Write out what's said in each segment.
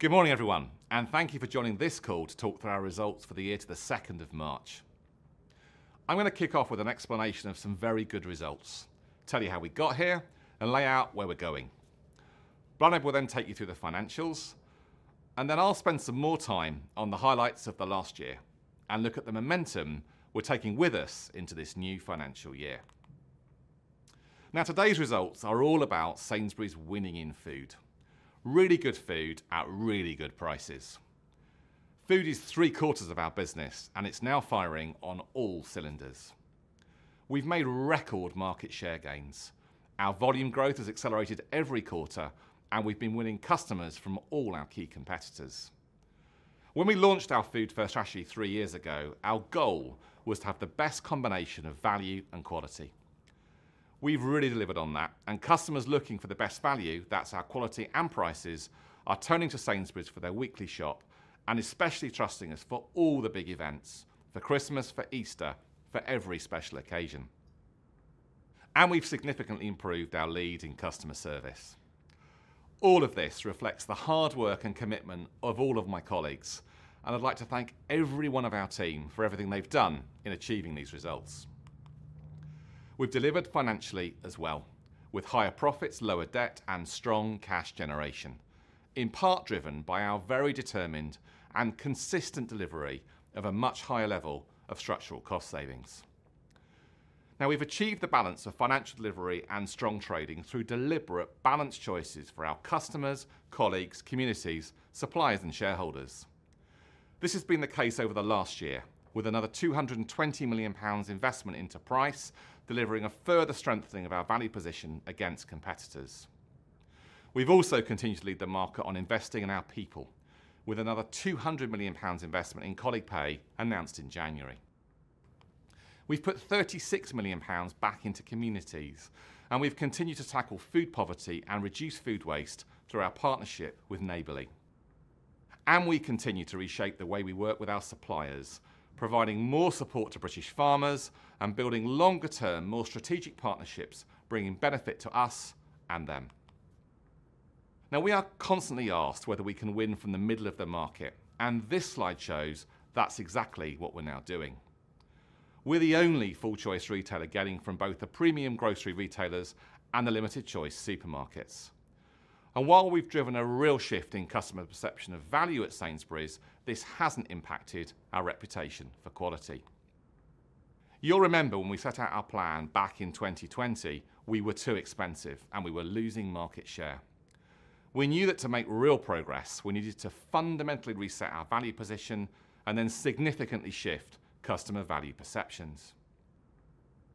Good morning, everyone, and thank you for joining this call to talk through our results for the year to the second of March. I'm gonna kick off with an explanation of some very good results, tell you how we got here, and lay out where we're going. Bláthnaid will then take you through the financials, and then I'll spend some more time on the highlights of the last year and look at the momentum we're taking with us into this new financial year. Now, today's results are all about Sainsbury's winning in food, really good food at really good prices. Food is three-quarters of our business, and it's now firing on all cylinders. We've made record market share gains. Our volume growth has accelerated every quarter, and we've been winning customers from all our key competitors. When we launched our Food First strategy three years ago, our goal was to have the best combination of value and quality. We've really delivered on that, and customers looking for the best value, that's our quality and prices, are turning to Sainsbury's for their weekly shop and especially trusting us for all the big events, for Christmas, for Easter, for every special occasion, and we've significantly improved our lead in customer service. All of this reflects the hard work and commitment of all of my colleagues, and I'd like to thank every one of our team for everything they've done in achieving these results. We've delivered financially as well, with higher profits, lower debt, and strong cash generation, in part driven by our very determined and consistent delivery of a much higher level of structural cost savings. Now, we've achieved the balance of financial delivery and strong trading through deliberate, balanced choices for our customers, colleagues, communities, suppliers, and shareholders. This has been the case over the last year, with another 220 million pounds investment into price, delivering a further strengthening of our value position against competitors. We've also continued to lead the market on investing in our people, with another 200 million pounds investment in colleague pay announced in January. We've put 36 million pounds back into communities, and we've continued to tackle food poverty and reduce food waste through our partnership with Neighbourly. We continue to reshape the way we work with our suppliers, providing more support to British farmers and building longer-term, more strategic partnerships, bringing benefit to us and them. Now, we are constantly asked whether we can win from the middle of the market, and this slide shows that's exactly what we're now doing. We're the only full-choice retailer gaining from both the premium grocery retailers and the limited-choice supermarkets. And while we've driven a real shift in customer perception of value at Sainsbury's, this hasn't impacted our reputation for quality. You'll remember when we set out our plan back in 2020, we were too expensive, and we were losing market share. We knew that to make real progress, we needed to fundamentally reset our value position and then significantly shift customer value perceptions.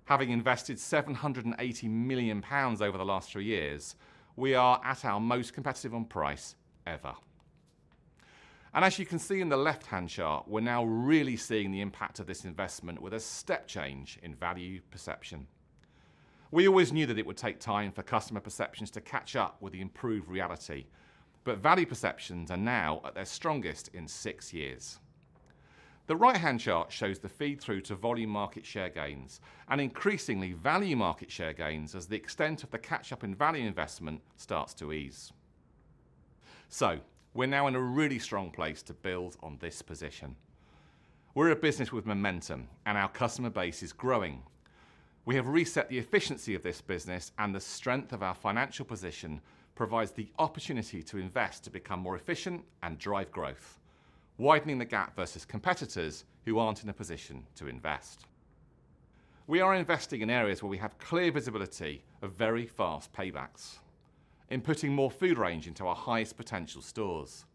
Having invested 780 million pounds over the last three years, we are at our most competitive on price ever. As you can see in the left-hand chart, we're now really seeing the impact of this investment with a step change in value perception. We always knew that it would take time for customer perceptions to catch up with the improved reality, but value perceptions are now at their strongest in six years. The right-hand chart shows the feed-through to volume market share gains and, increasingly, value market share gains as the extent of the catch-up in value investment starts to ease. So we're now in a really strong place to build on this position. We're a business with momentum, and our customer base is growing. We have reset the efficiency of this business, and the strength of our financial position provides the opportunity to invest to become more efficient and drive growth, widening the gap versus competitors who aren't in a position to invest. We are investing in areas where we have clear visibility of very fast paybacks, in putting more food range into our highest potential stores,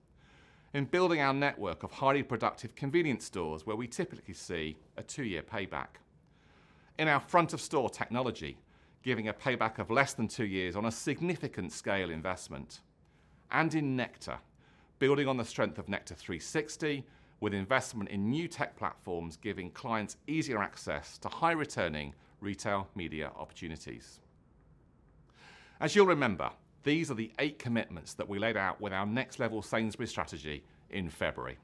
in building our network of highly productive convenience stores, where we typically see a two-year payback, in our front-of-store technology, giving a payback of less than two years on a significant scale investment, and in Nectar, building on the strength of Nectar360 with investment in new tech platforms, giving clients easier access to high-returning retail media opportunities. As you'll remember, these are the 8 commitments that we laid out with our Next Level Sainsbury's strategy in February.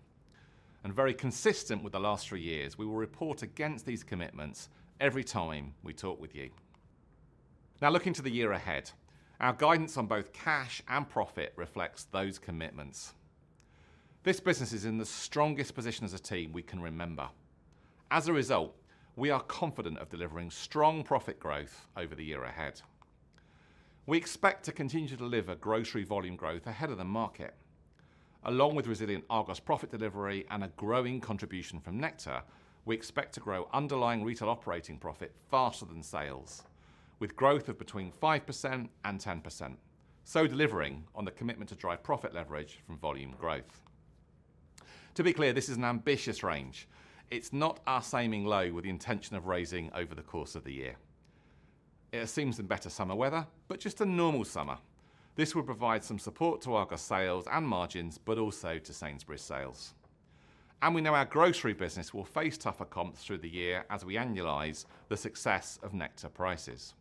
And very consistent with the last 3 years, we will report against these commitments every time we talk with you. Now, looking to the year ahead, our guidance on both cash and profit reflects those commitments. This business is in the strongest position as a team we can remember. As a result, we are confident of delivering strong profit growth over the year ahead. We expect to continue to deliver grocery volume growth ahead of the market. Along with resilient Argos profit delivery and a growing contribution from Nectar, we expect to grow underlying retail operating profit faster than sales, with growth of between 5% and 10%, so delivering on the commitment to drive profit leverage from volume growth. To be clear, this is an ambitious range. It's not us aiming low with the intention of raising over the course of the year. It assumes some better summer weather, but just a normal summer. This will provide some support to Argos sales and margins, but also to Sainsbury's sales. And we know our grocery business will face tougher comps through the year as we annualize the success of Nectar Prices.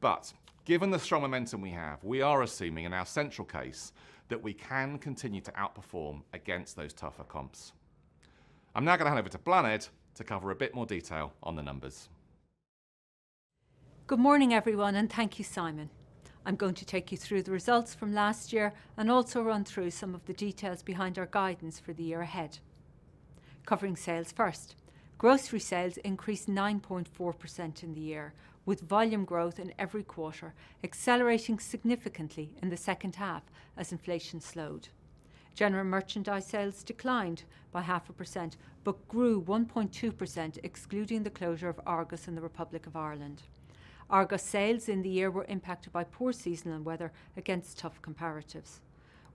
But given the strong momentum we have, we are assuming in our central case that we can continue to outperform against those tougher comps. I'm now gonna hand over to Bláthnaid to cover a bit more detail on the numbers. ... Good morning, everyone, and thank you, Simon. I'm going to take you through the results from last year and also run through some of the details behind our guidance for the year ahead. Covering sales first, grocery sales increased 9.4% in the year, with volume growth in every quarter, accelerating significantly in the second half as inflation slowed. General merchandise sales declined by 0.5%, but grew 1.2%, excluding the closure of Argos in the Republic of Ireland. Argos sales in the year were impacted by poor seasonal weather against tough comparatives.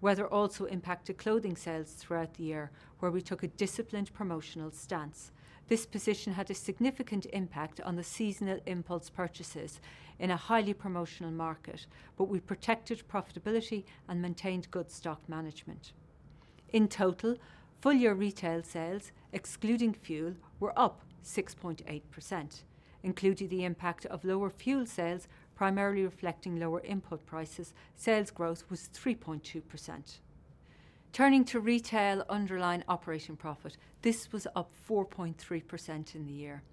Weather also impacted clothing sales throughout the year, where we took a disciplined promotional stance. This position had a significant impact on the seasonal impulse purchases in a highly promotional market, but we protected profitability and maintained good stock management. In total, full-year retail sales, excluding fuel, were up 6.8%, including the impact of lower fuel sales, primarily reflecting lower input prices. Sales growth was 3.2%. Turning to retail underlying operating profit, this was up 4.3% in the year.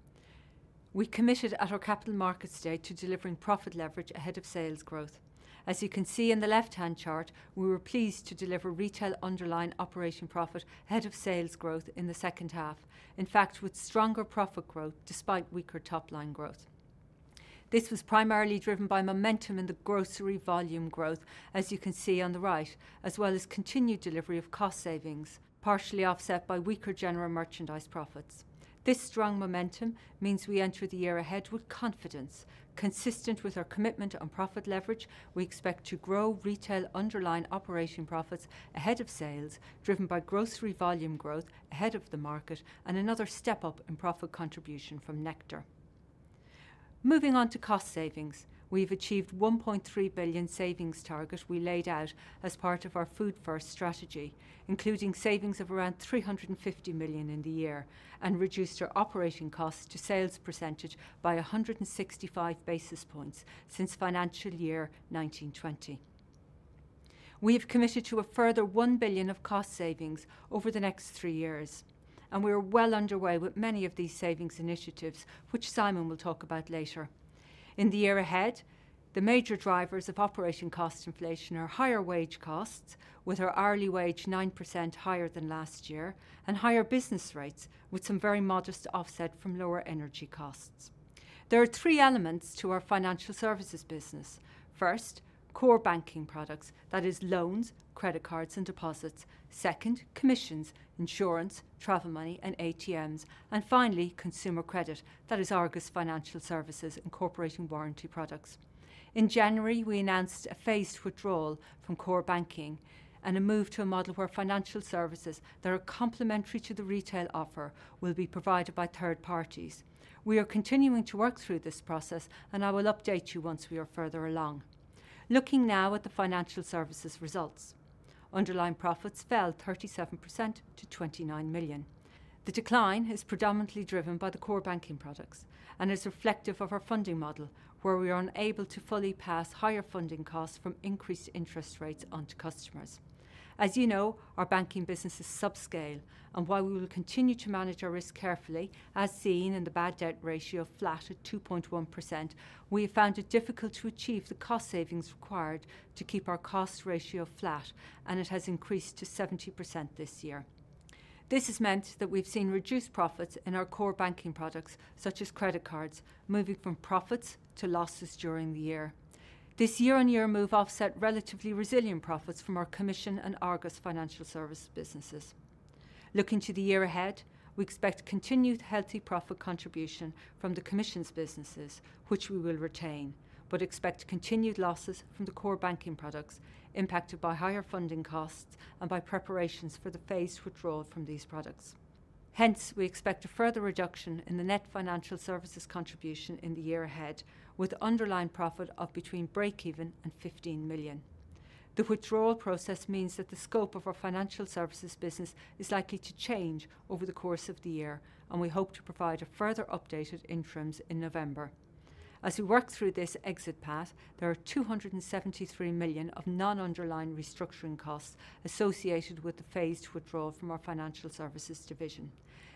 We committed at our capital markets day to delivering profit leverage ahead of sales growth. As you can see in the left-hand chart, we were pleased to deliver retail underlying operating profit ahead of sales growth in the second half. In fact, with stronger profit growth despite weaker top-line growth. This was primarily driven by momentum in the grocery volume growth, as you can see on the right, as well as continued delivery of cost savings, partially offset by weaker general merchandise profits. This strong momentum means we enter the year ahead with confidence. Consistent with our commitment on profit leverage, we expect to grow retail underlying operating profits ahead of sales, driven by grocery volume growth ahead of the market and another step up in profit contribution from Nectar. Moving on to cost savings, we've achieved 1.3 billion savings target we laid out as part of our Food First strategy, including savings of around 350 million in the year, and reduced our operating cost to sales percentage by 165 basis points since financial year 2019/20. We have committed to a further 1 billion of cost savings over the next three years, and we are well underway with many of these savings initiatives, which Simon will talk about later. In the year ahead, the major drivers of operating cost inflation are higher wage costs, with our hourly wage 9% higher than last year, and higher business rates, with some very modest offset from lower energy costs. There are three elements to our financial services business. First, core banking products, that is loans, credit cards, and deposits. Second, commissions, insurance, travel money, and ATMs. And finally, consumer credit, that is Argos Financial Services, incorporating warranty products. In January, we announced a phased withdrawal from core banking and a move to a model where financial services that are complementary to the retail offer will be provided by third parties. We are continuing to work through this process, and I will update you once we are further along. Looking now at the financial services results. Underlying profits fell 37% to 29 million. The decline is predominantly driven by the core banking products and is reflective of our funding model, where we are unable to fully pass higher funding costs from increased interest rates onto customers. As you know, our banking business is subscale, and while we will continue to manage our risk carefully, as seen in the bad debt ratio, flat at 2.1%, we have found it difficult to achieve the cost savings required to keep our cost ratio flat, and it has increased to 70% this year. This has meant that we've seen reduced profits in our core banking products, such as credit cards, moving from profits to losses during the year. This year-on-year move offset relatively resilient profits from our commission and Argos Financial Services businesses. Looking to the year ahead, we expect continued healthy profit contribution from the commissions businesses, which we will retain, but expect continued losses from the core banking products, impacted by higher funding costs and by preparations for the phased withdrawal from these products. Hence, we expect a further reduction in the net financial services contribution in the year ahead, with underlying profit of between breakeven and 15 million. The withdrawal process means that the scope of our financial services business is likely to change over the course of the year, and we hope to provide a further update at interims in November. As we work through this exit path, there are 273 million of non-underlying restructuring costs associated with the phased withdrawal from our financial services division.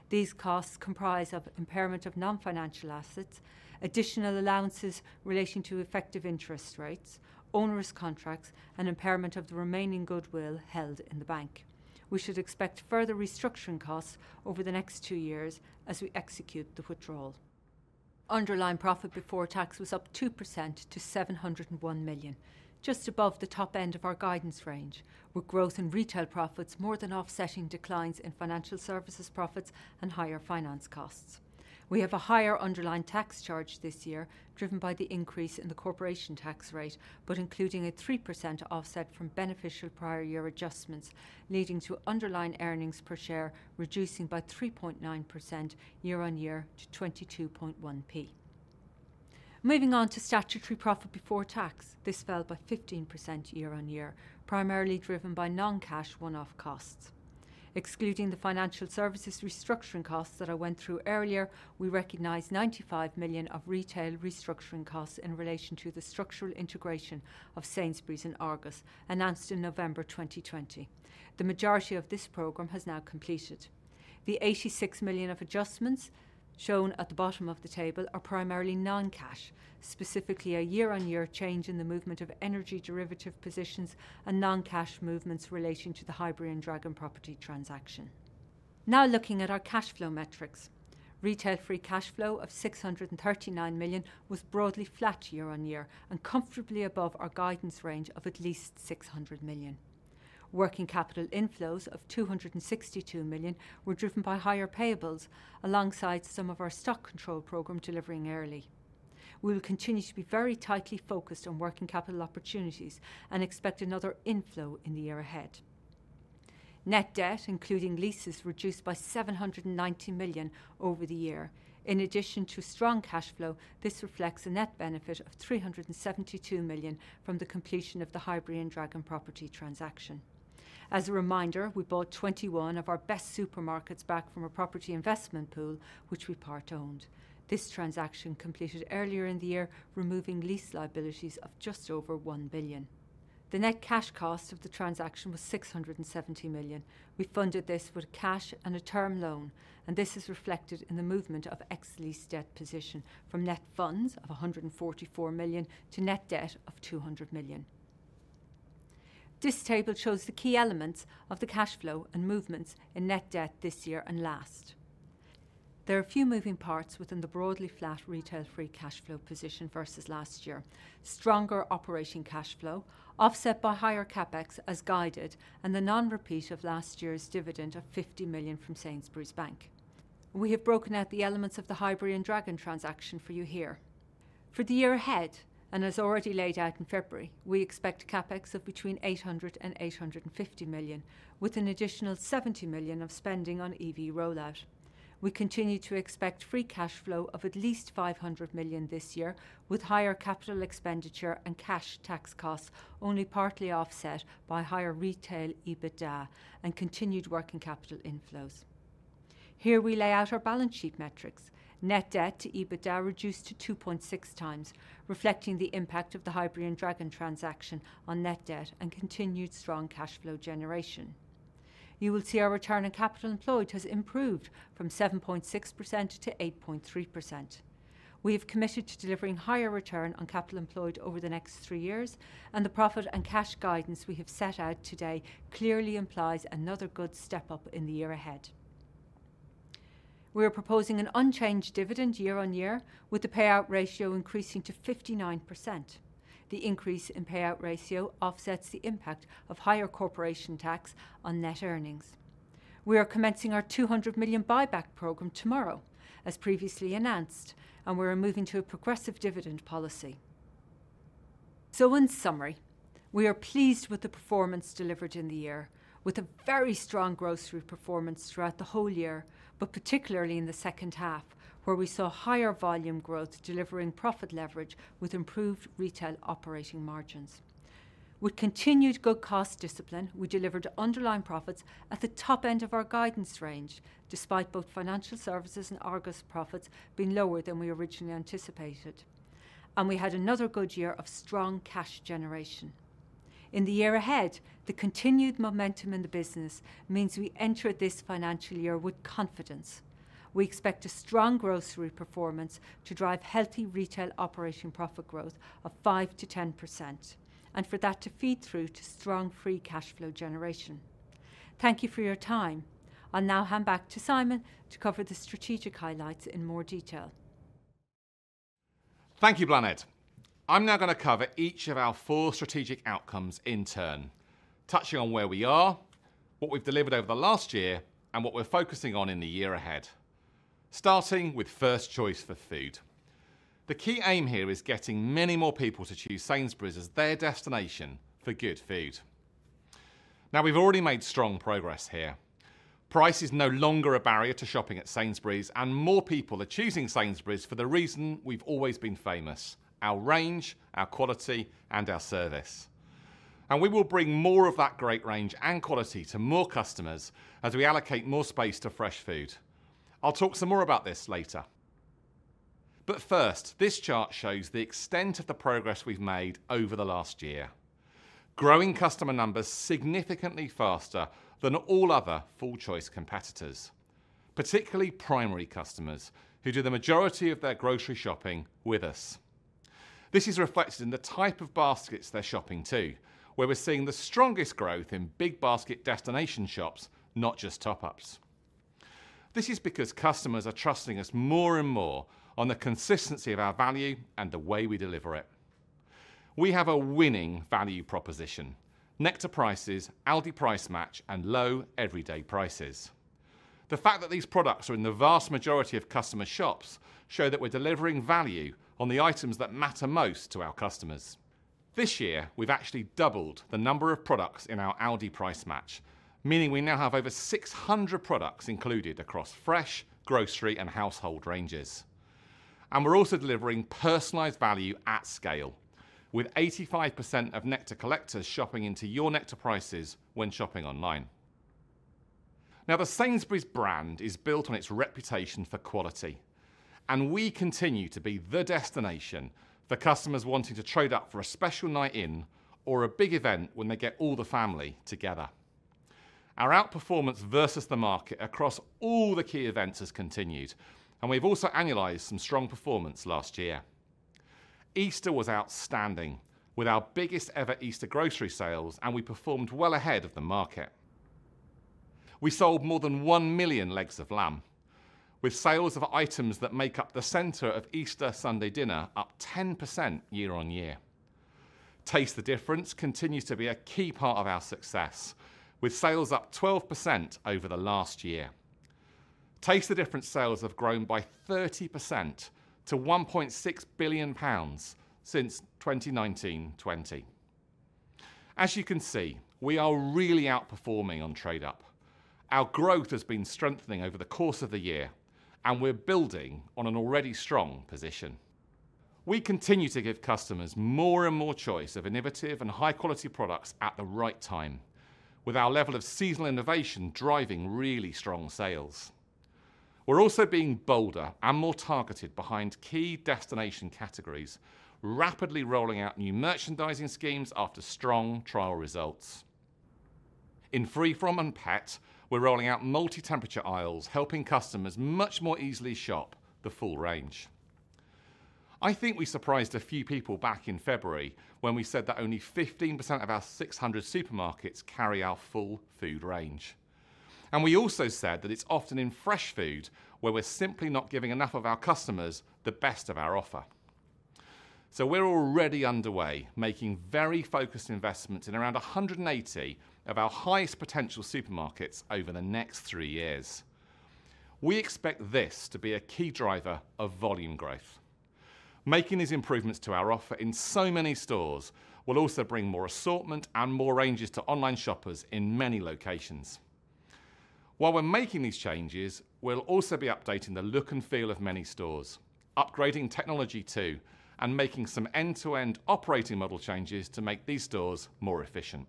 These costs comprise of impairment of non-financial assets, additional allowances relating to effective interest rates, onerous contracts, and impairment of the remaining goodwill held in the bank. We should expect further restructuring costs over the next two years as we execute the withdrawal. Underlying profit before tax was up 2% to 701 million, just above the top end of our guidance range, with growth in retail profits more than offsetting declines in financial services profits and higher finance costs. We have a higher underlying tax charge this year, driven by the increase in the corporation tax rate, but including a 3% offset from beneficial prior year adjustments, leading to underlying earnings per share, reducing by 3.9% year-on-year to 22.1p. Moving on to statutory profit before tax. This fell by 15% year-on-year, primarily driven by non-cash one-off costs. Excluding the financial services restructuring costs that I went through earlier, we recognized 95 million of retail restructuring costs in relation to the structural integration of Sainsbury's and Argos, announced in November 2020. The majority of this program has now completed. The 86 million of adjustments shown at the bottom of the table are primarily non-cash, specifically a year-on-year change in the movement of energy derivative positions and non-cash movements relating to the Highbury and Dragon property transaction. Now looking at our cash flow metrics. Retail free cash flow of 639 million was broadly flat year-on-year and comfortably above our guidance range of at least 600 million. Working capital inflows of 262 million were driven by higher payables alongside some of our stock control program delivering early. We will continue to be very tightly focused on working capital opportunities and expect another inflow in the year ahead. Net debt, including leases, reduced by 790 million over the year. In addition to strong cash flow, this reflects a net benefit of 372 million from the completion of the Highbury and Dragon property transaction. As a reminder, we bought 21 of our best supermarkets back from a property investment pool, which we part-owned. This transaction completed earlier in the year, removing lease liabilities of just over 1 billion. The net cash cost of the transaction was 670 million. We funded this with cash and a term loan, and this is reflected in the movement of ex lease debt position from net funds of 144 million to net debt of 200 million. This table shows the key elements of the cash flow and movements in net debt this year and last. There are a few moving parts within the broadly flat retail free cash flow position versus last year. Stronger operating cash flow, offset by higher CapEx as guided, and the non-repeat of last year's dividend of 50 million from Sainsbury's Bank. We have broken out the elements of the Highbury and Dragon transaction for you here. For the year ahead, and as already laid out in February, we expect CapEx of between 800 million and 850 million, with an additional 70 million of spending on EV rollout. We continue to expect free cash flow of at least 500 million this year, with higher capital expenditure and cash tax costs only partly offset by higher retail EBITDA and continued working capital inflows. Here we lay out our balance sheet metrics. Net debt to EBITDA reduced to 2.6x, reflecting the impact of the Highbury and Dragon transaction on net debt and continued strong cash flow generation. You will see our return on capital employed has improved from 7.6% to 8.3%. We have committed to delivering higher return on capital employed over the next three years, and the profit and cash guidance we have set out today clearly implies another good step up in the year ahead. We are proposing an unchanged dividend year-over-year, with the payout ratio increasing to 59%. The increase in payout ratio offsets the impact of higher corporation tax on net earnings. We are commencing our 200 million buyback program tomorrow, as previously announced, and we are moving to a progressive dividend policy. In summary, we are pleased with the performance delivered in the year with a very strong grocery performance throughout the whole year, but particularly in the second half, where we saw higher volume growth, delivering profit leverage with improved retail operating margins. With continued good cost discipline, we delivered underlying profits at the top end of our guidance range, despite both financial services and Argos profits being lower than we originally anticipated. We had another good year of strong cash generation. In the year ahead, the continued momentum in the business means we enter this financial year with confidence. We expect a strong grocery performance to drive healthy retail operation profit growth of 5%-10%, and for that to feed through to strong free cash flow generation. Thank you for your time. I'll now hand back to Simon to cover the strategic highlights in more detail. Thank you, Bláthnaid. I'm now going to cover each of our four strategic outcomes in turn, touching on where we are, what we've delivered over the last year, and what we're focusing on in the year ahead. Starting with First Choice for Food. The key aim here is getting many more people to choose Sainsbury's as their destination for good food. Now, we've already made strong progress here. Price is no longer a barrier to shopping at Sainsbury's, and more people are choosing Sainsbury's for the reason we've always been famous: our range, our quality, and our service. We will bring more of that great range and quality to more customers as we allocate more space to fresh food. I'll talk some more about this later. But first, this chart shows the extent of the progress we've made over the last year, growing customer numbers significantly faster than all other full-choice competitors, particularly primary customers who do the majority of their grocery shopping with us. This is reflected in the type of baskets they're shopping, too, where we're seeing the strongest growth in big basket destination shops, not just top-ups. This is because customers are trusting us more and more on the consistency of our value and the way we deliver it. We have a winning value proposition: Nectar Prices, Aldi Price Match, and low everyday prices. The fact that these products are in the vast majority of customer shops show that we're delivering value on the items that matter most to our customers. This year, we've actually doubled the number of products in our Aldi Price Match, meaning we now have over 600 products included across fresh, grocery, and household ranges. We're also delivering personalized value at scale, with 85% of Nectar collectors shopping into your Nectar Prices when shopping online. Now, the Sainsbury's brand is built on its reputation for quality, and we continue to be the destination for customers wanting to trade up for a special night in or a big event when they get all the family together. Our outperformance versus the market across all the key events has continued, and we've also annualized some strong performance last year. Easter was outstanding, with our biggest ever Easter grocery sales, and we performed well ahead of the market. We sold more than 1 million legs of lamb, with sales of items that make up the center of Easter Sunday dinner up 10% year-on-year. Taste the Difference continues to be a key part of our success, with sales up 12% over the last year. Taste the Difference sales have grown by 30% to 1.6 billion pounds since 2019-20. As you can see, we are really outperforming on trade up. Our growth has been strengthening over the course of the year, and we're building on an already strong position. We continue to give customers more and more choice of innovative and high-quality products at the right time, with our level of seasonal innovation driving really strong sales. We're also being bolder and more targeted behind key destination categories, rapidly rolling out new merchandising schemes after strong trial results. In Free From and Pet, we're rolling out multi-temperature aisles, helping customers much more easily shop the full range. I think we surprised a few people back in February when we said that only 15% of our 600 supermarkets carry our full food range, and we also said that it's often in fresh food where we're simply not giving enough of our customers the best of our offer. So we're already underway, making very focused investments in around 180 of our highest potential supermarkets over the next three years. We expect this to be a key driver of volume growth. Making these improvements to our offer in so many stores will also bring more assortment and more ranges to online shoppers in many locations. While we're making these changes, we'll also be updating the look and feel of many stores, upgrading technology too, and making some end-to-end operating model changes to make these stores more efficient.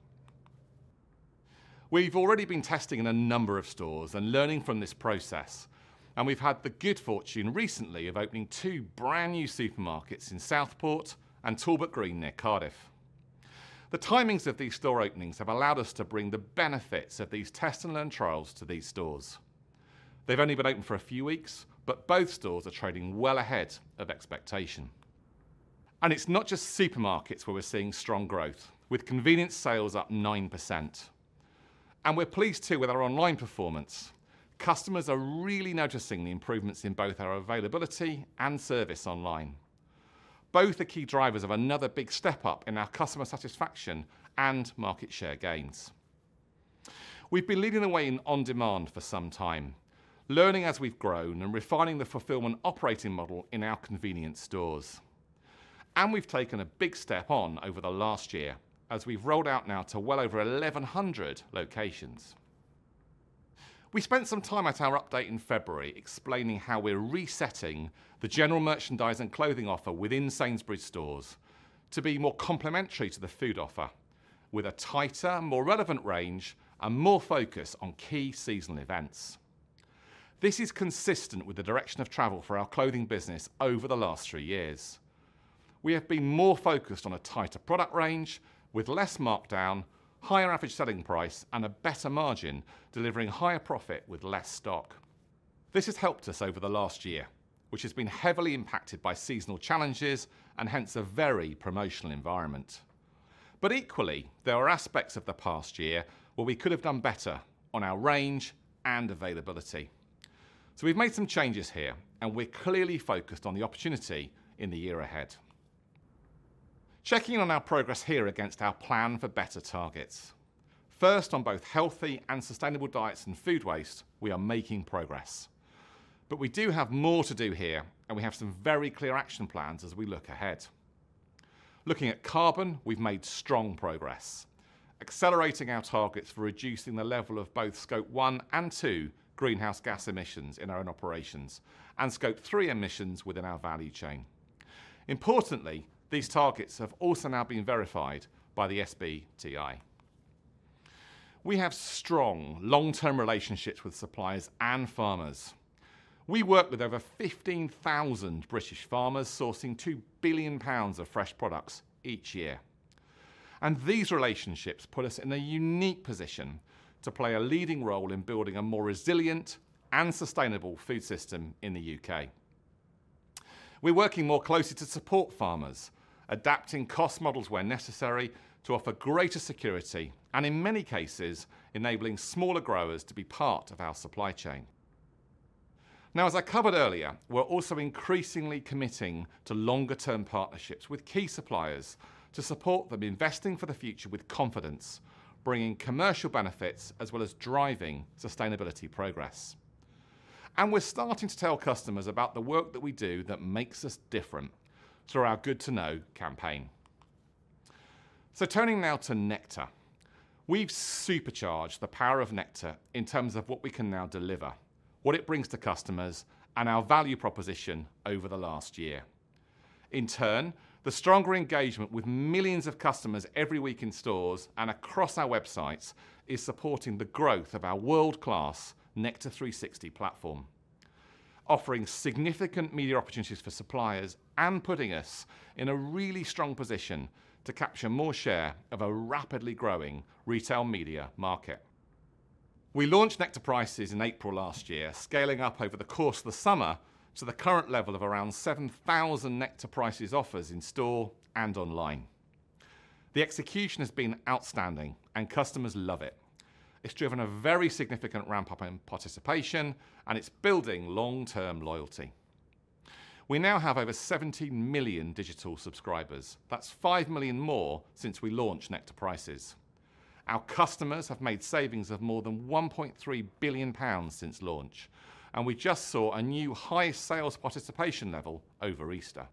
We've already been testing in a number of stores and learning from this process, and we've had the good fortune recently of opening two brand-new supermarkets in Southport and Talbot Green near Cardiff. The timings of these store openings have allowed us to bring the benefits of these test-and-learn trials to these stores. They've only been open for a few weeks, but both stores are trading well ahead of expectation. And it's not just supermarkets where we're seeing strong growth, with convenience sales up 9%. And we're pleased, too, with our online performance. Customers are really noticing the improvements in both our availability and service online. Both are key drivers of another big step up in our customer satisfaction and market share gains. We've been leading the way in on-demand for some time, learning as we've grown and refining the fulfillment operating model in our convenience stores, and we've taken a big step on over the last year as we've rolled out now to well over 1,100 locations. We spent some time at our update in February explaining how we're resetting the general merchandise and clothing offer within Sainsbury's stores to be more complementary to the food offer, with a tighter, more relevant range and more focus on key seasonal events. This is consistent with the direction of travel for our clothing business over the last three years. We have been more focused on a tighter product range with less markdown, higher average selling price, and a better margin, delivering higher profit with less stock. This has helped us over the last year, which has been heavily impacted by seasonal challenges and hence a very promotional environment. But equally, there are aspects of the past year where we could have done better on our range and availability. So we've made some changes here, and we're clearly focused on the opportunity in the year ahead. Checking in on our progress here against our plan for better targets. First, on both healthy and sustainable diets and food waste, we are making progress, but we do have more to do here, and we have some very clear action plans as we look ahead. Looking at carbon, we've made strong progress, accelerating our targets for reducing the level of both Scope 1 and 2 greenhouse gas emissions in our own operations and Scope 3 emissions within our value chain. Importantly, these targets have also now been verified by the SBTI. We have strong long-term relationships with suppliers and farmers. We work with over 15,000 British farmers, sourcing 2 billion pounds of fresh products each year, and these relationships put us in a unique position to play a leading role in building a more resilient and sustainable food system in the UK. We're working more closely to support farmers, adapting cost models where necessary to offer greater security and, in many cases, enabling smaller growers to be part of our supply chain. Now, as I covered earlier, we're also increasingly committing to longer-term partnerships with key suppliers to support them investing for the future with confidence, bringing commercial benefits as well as driving sustainability progress. And we're starting to tell customers about the work that we do that makes us different through our Good to Know campaign. Turning now to Nectar. We've supercharged the power of Nectar in terms of what we can now deliver, what it brings to customers, and our value proposition over the last year. In turn, the stronger engagement with millions of customers every week in stores and across our websites is supporting the growth of our world-class Nectar360 platform, offering significant media opportunities for suppliers and putting us in a really strong position to capture more share of a rapidly growing retail media market. We launched Nectar Prices in April last year, scaling up over the course of the summer to the current level of around 7,000 Nectar Prices offers in store and online. The execution has been outstanding, and customers love it. It's driven a very significant ramp-up in participation, and it's building long-term loyalty. We now have over 70 million digital subscribers. That's 5 million more since we launched Nectar Prices. Our customers have made savings of more than 1.3 billion pounds since launch, and we just saw a new high sales participation level over Easter.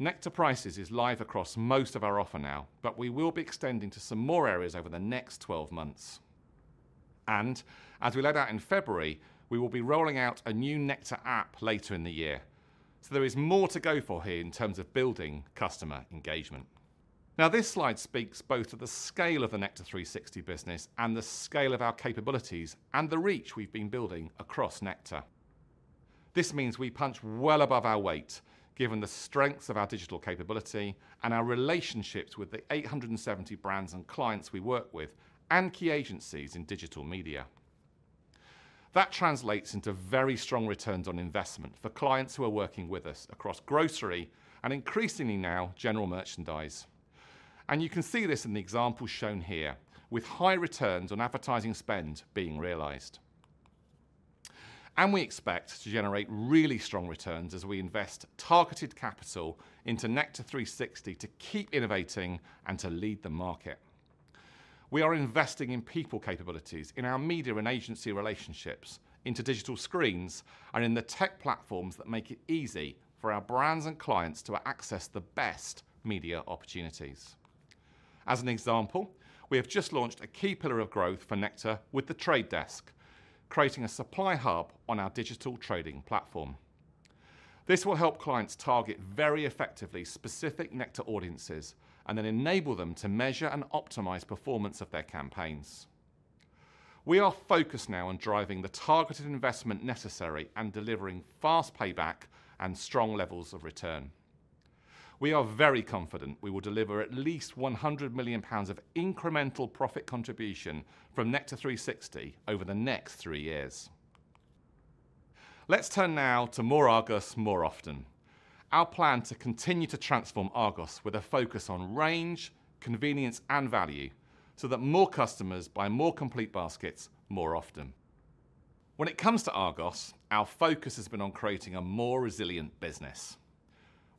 Nectar Prices is live across most of our offer now, but we will be extending to some more areas over the next 12 months. As we laid out in February, we will be rolling out a new Nectar app later in the year, so there is more to go for here in terms of building customer engagement. Now, this slide speaks both to the scale of the Nectar360 business and the scale of our capabilities and the reach we've been building across Nectar. This means we punch well above our weight, given the strengths of our digital capability and our relationships with the 870 brands and clients we work with, and key agencies in digital media. That translates into very strong returns on investment for clients who are working with us across grocery and, increasingly now, general merchandise. You can see this in the example shown here, with high returns on advertising spend being realized. We expect to generate really strong returns as we invest targeted capital into Nectar360 to keep innovating and to lead the market. We are investing in people capabilities, in our media and agency relationships, into digital screens, and in the tech platforms that make it easy for our brands and clients to access the best media opportunities. As an example, we have just launched a key pillar of growth for Nectar with The Trade Desk, creating a supply hub on our digital trading platform. This will help clients target very effectively specific Nectar audiences and then enable them to measure and optimize performance of their campaigns. We are focused now on driving the targeted investment necessary and delivering fast payback and strong levels of return. We are very confident we will deliver at least 100 million pounds of incremental profit contribution from Nectar360 over the next three years. Let's turn now to More Argos, More Often, our plan to continue to transform Argos with a focus on range, convenience, and value, so that more customers buy more complete baskets more often. When it comes to Argos, our focus has been on creating a more resilient business.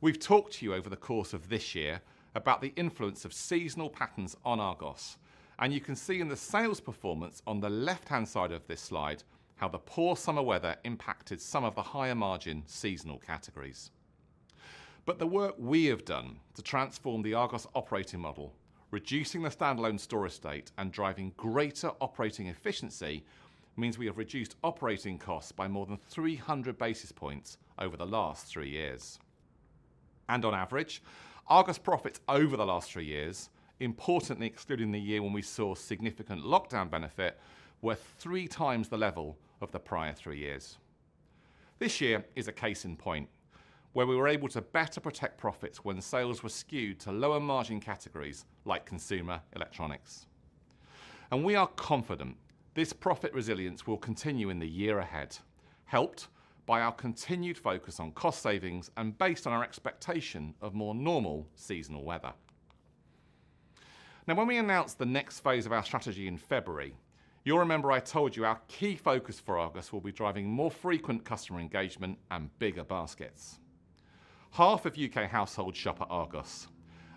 We've talked to you over the course of this year about the influence of seasonal patterns on Argos, and you can see in the sales performance on the left-hand side of this slide, how the poor summer weather impacted some of the higher margin seasonal categories. But the work we have done to transform the Argos operating model, reducing the standalone store estate, and driving greater operating efficiency, means we have reduced operating costs by more than 300 basis points over the last three years. And on average, Argos profits over the last three years, importantly excluding the year when we saw significant lockdown benefit, were three times the level of the prior three years. This year is a case in point, where we were able to better protect profits when sales were skewed to lower margin categories like consumer electronics. We are confident this profit resilience will continue in the year ahead, helped by our continued focus on cost savings and based on our expectation of more normal seasonal weather. Now, when we announced the next phase of our strategy in February, you'll remember I told you our key focus for Argos will be driving more frequent customer engagement and bigger baskets. Half of U.K. households shop at Argos.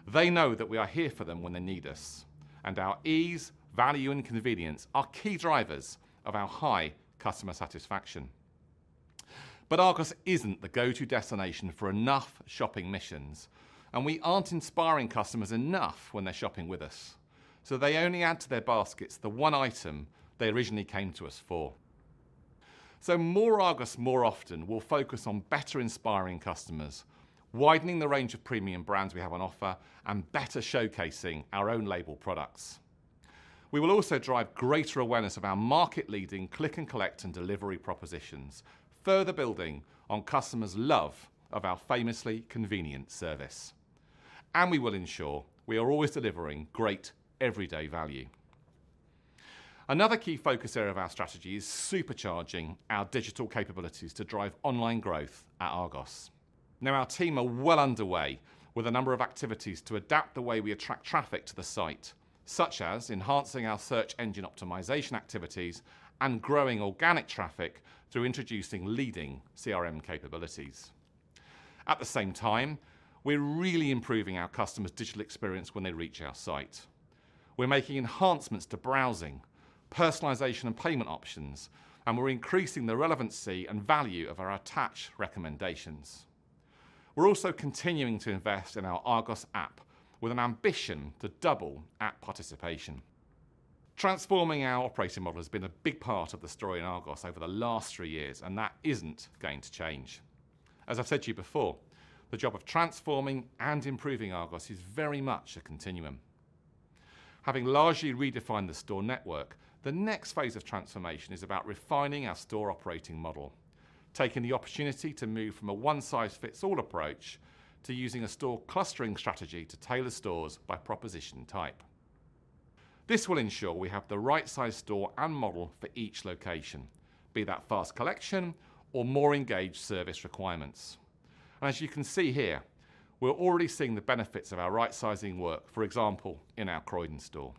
They know that we are here for them when they need us, and our ease, value, and convenience are key drivers of our high customer satisfaction. But Argos isn't the go-to destination for enough shopping missions, and we aren't inspiring customers enough when they're shopping with us, so they only add to their baskets the one item they originally came to us for. More Argos, More Often will focus on better inspiring customers, widening the range of premium brands we have on offer, and better showcasing our own label products. We will also drive greater awareness of our market-leading click-and-collect and delivery propositions, further building on customers' love of our famously convenient service. We will ensure we are always delivering great everyday value. Another key focus area of our strategy is supercharging our digital capabilities to drive online growth at Argos. Now, our team are well underway with a number of activities to adapt the way we attract traffic to the site, such as enhancing our search engine optimization activities and growing organic traffic through introducing leading CRM capabilities. At the same time, we're really improving our customers' digital experience when they reach our site. We're making enhancements to browsing, personalization, and payment options, and we're increasing the relevancy and value of our attach recommendations. We're also continuing to invest in our Argos app with an ambition to double app participation. Transforming our operating model has been a big part of the story in Argos over the last three years, and that isn't going to change. As I've said to you before, the job of transforming and improving Argos is very much a continuum. Having largely redefined the store network, the next phase of transformation is about refining our store operating model, taking the opportunity to move from a one-size-fits-all approach to using a store clustering strategy to tailor stores by proposition type. This will ensure we have the right size store and model for each location, be that fast collection or more engaged service requirements. As you can see here, we're already seeing the benefits of our right-sizing work, for example, in our Croydon store.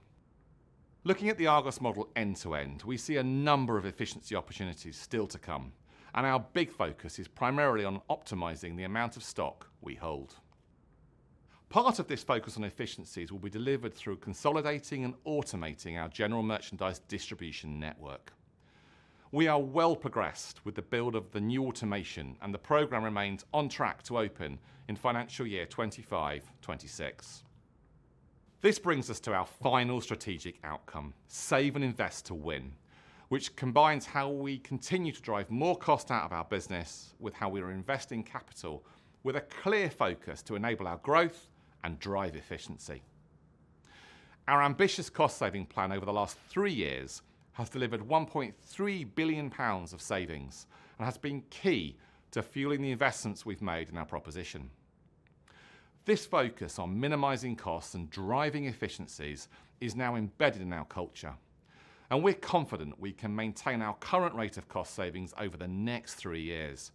Looking at the Argos model end-to-end, we see a number of efficiency opportunities still to come, and our big focus is primarily on optimizing the amount of stock we hold. Part of this focus on efficiencies will be delivered through consolidating and automating our general merchandise distribution network. We are well progressed with the build of the new automation, and the program remains on track to open in financial year 2025, 2026. This brings us to our final strategic outcome, Save and Invest to Win, which combines how we continue to drive more cost out of our business with how we are investing capital with a clear focus to enable our growth and drive efficiency. Our ambitious cost-saving plan over the last three years has delivered 1.3 billion pounds of savings and has been key to fueling the investments we've made in our proposition. This focus on minimizing costs and driving efficiencies is now embedded in our culture, and we're confident we can maintain our current rate of cost savings over the next three years,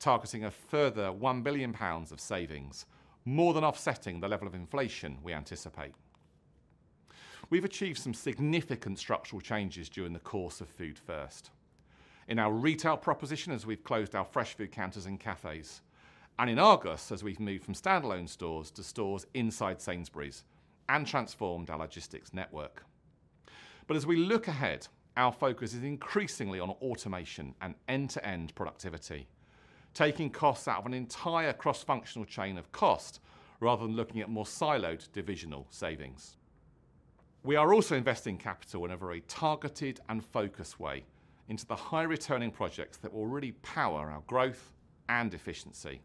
targeting a further 1 billion pounds of savings, more than offsetting the level of inflation we anticipate. We've achieved some significant structural changes during the course of Food First. In our retail proposition, as we've closed our fresh food counters and cafes, and in Argos, as we've moved from standalone stores to stores inside Sainsbury's and transformed our logistics network. As we look ahead, our focus is increasingly on automation and end-to-end productivity, taking costs out of an entire cross-functional chain of cost rather than looking at more siloed divisional savings. We are also investing capital in a very targeted and focused way into the high-returning projects that will really power our growth and efficiency.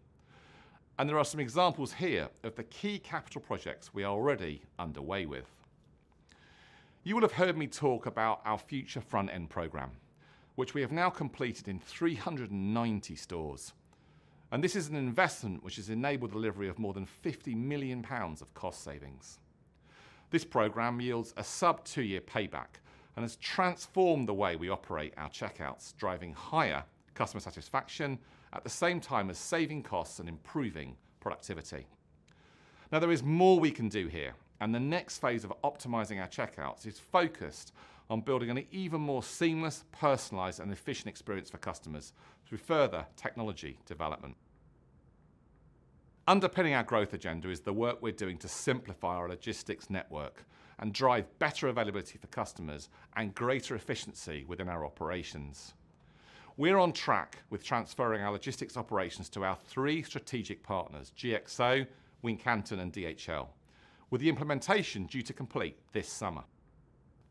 There are some examples here of the key capital projects we are already underway with. You will have heard me talk about our future front-end program, which we have now completed in 390 stores, and this is an investment which has enabled delivery of more than 50 million pounds of cost savings. This program yields a sub-2-year payback and has transformed the way we operate our checkouts, driving higher customer satisfaction at the same time as saving costs and improving productivity. Now, there is more we can do here, and the next phase of optimizing our checkouts is focused on building an even more seamless, personalized, and efficient experience for customers through further technology development. Underpinning our growth agenda is the work we're doing to simplify our logistics network and drive better availability for customers and greater efficiency within our operations. We're on track with transferring our logistics operations to our three strategic partners, GXO, Wincanton, and DHL, with the implementation due to complete this summer.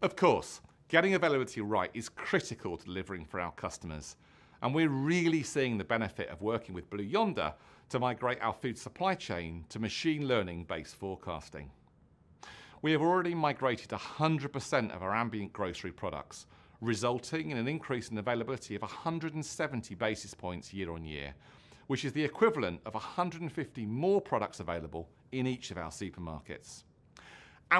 Of course, getting availability right is critical to delivering for our customers, and we're really seeing the benefit of working with Blue Yonder to migrate our food supply chain to machine learning-based forecasting. We have already migrated 100% of our ambient grocery products, resulting in an increase in availability of 170 basis points year-on-year, which is the equivalent of 150 more products available in each of our supermarkets.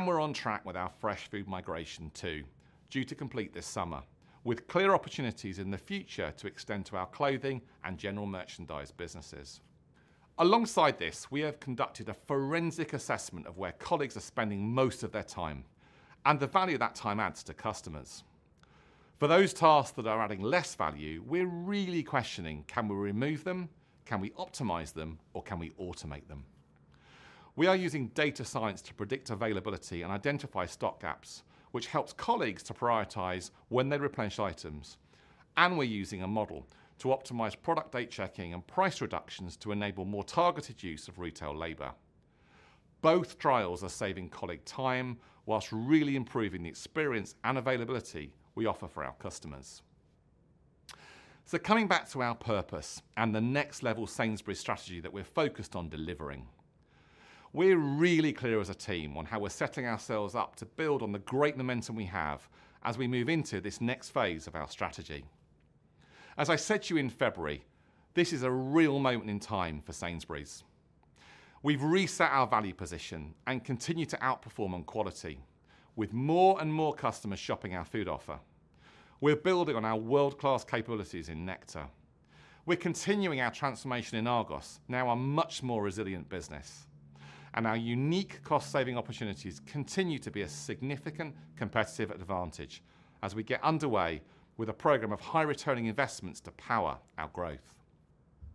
We're on track with our fresh food migration, too, due to complete this summer, with clear opportunities in the future to extend to our clothing and general merchandise businesses. Alongside this, we have conducted a forensic assessment of where colleagues are spending most of their time and the value that time adds to customers. For those tasks that are adding less value, we're really questioning: Can we remove them? Can we optimize them, or can we automate them? We are using data science to predict availability and identify stock gaps, which helps colleagues to prioritize when they replenish items. We're using a model to optimize product date checking and price reductions to enable more targeted use of retail labor. Both trials are saving colleague time while really improving the experience and availability we offer for our customers. Coming back to our purpose and the Next Level Sainsbury's strategy that we're focused on delivering, we're really clear as a team on how we're setting ourselves up to build on the great momentum we have as we move into this next phase of our strategy. As I said to you in February, this is a real moment in time for Sainsbury's. We've reset our value position and continue to outperform on quality with more and more customers shopping our food offer. We're building on our world-class capabilities in Nectar. We're continuing our transformation in Argos, now a much more resilient business, and our unique cost-saving opportunities continue to be a significant competitive advantage as we get underway with a program of high-returning investments to power our growth.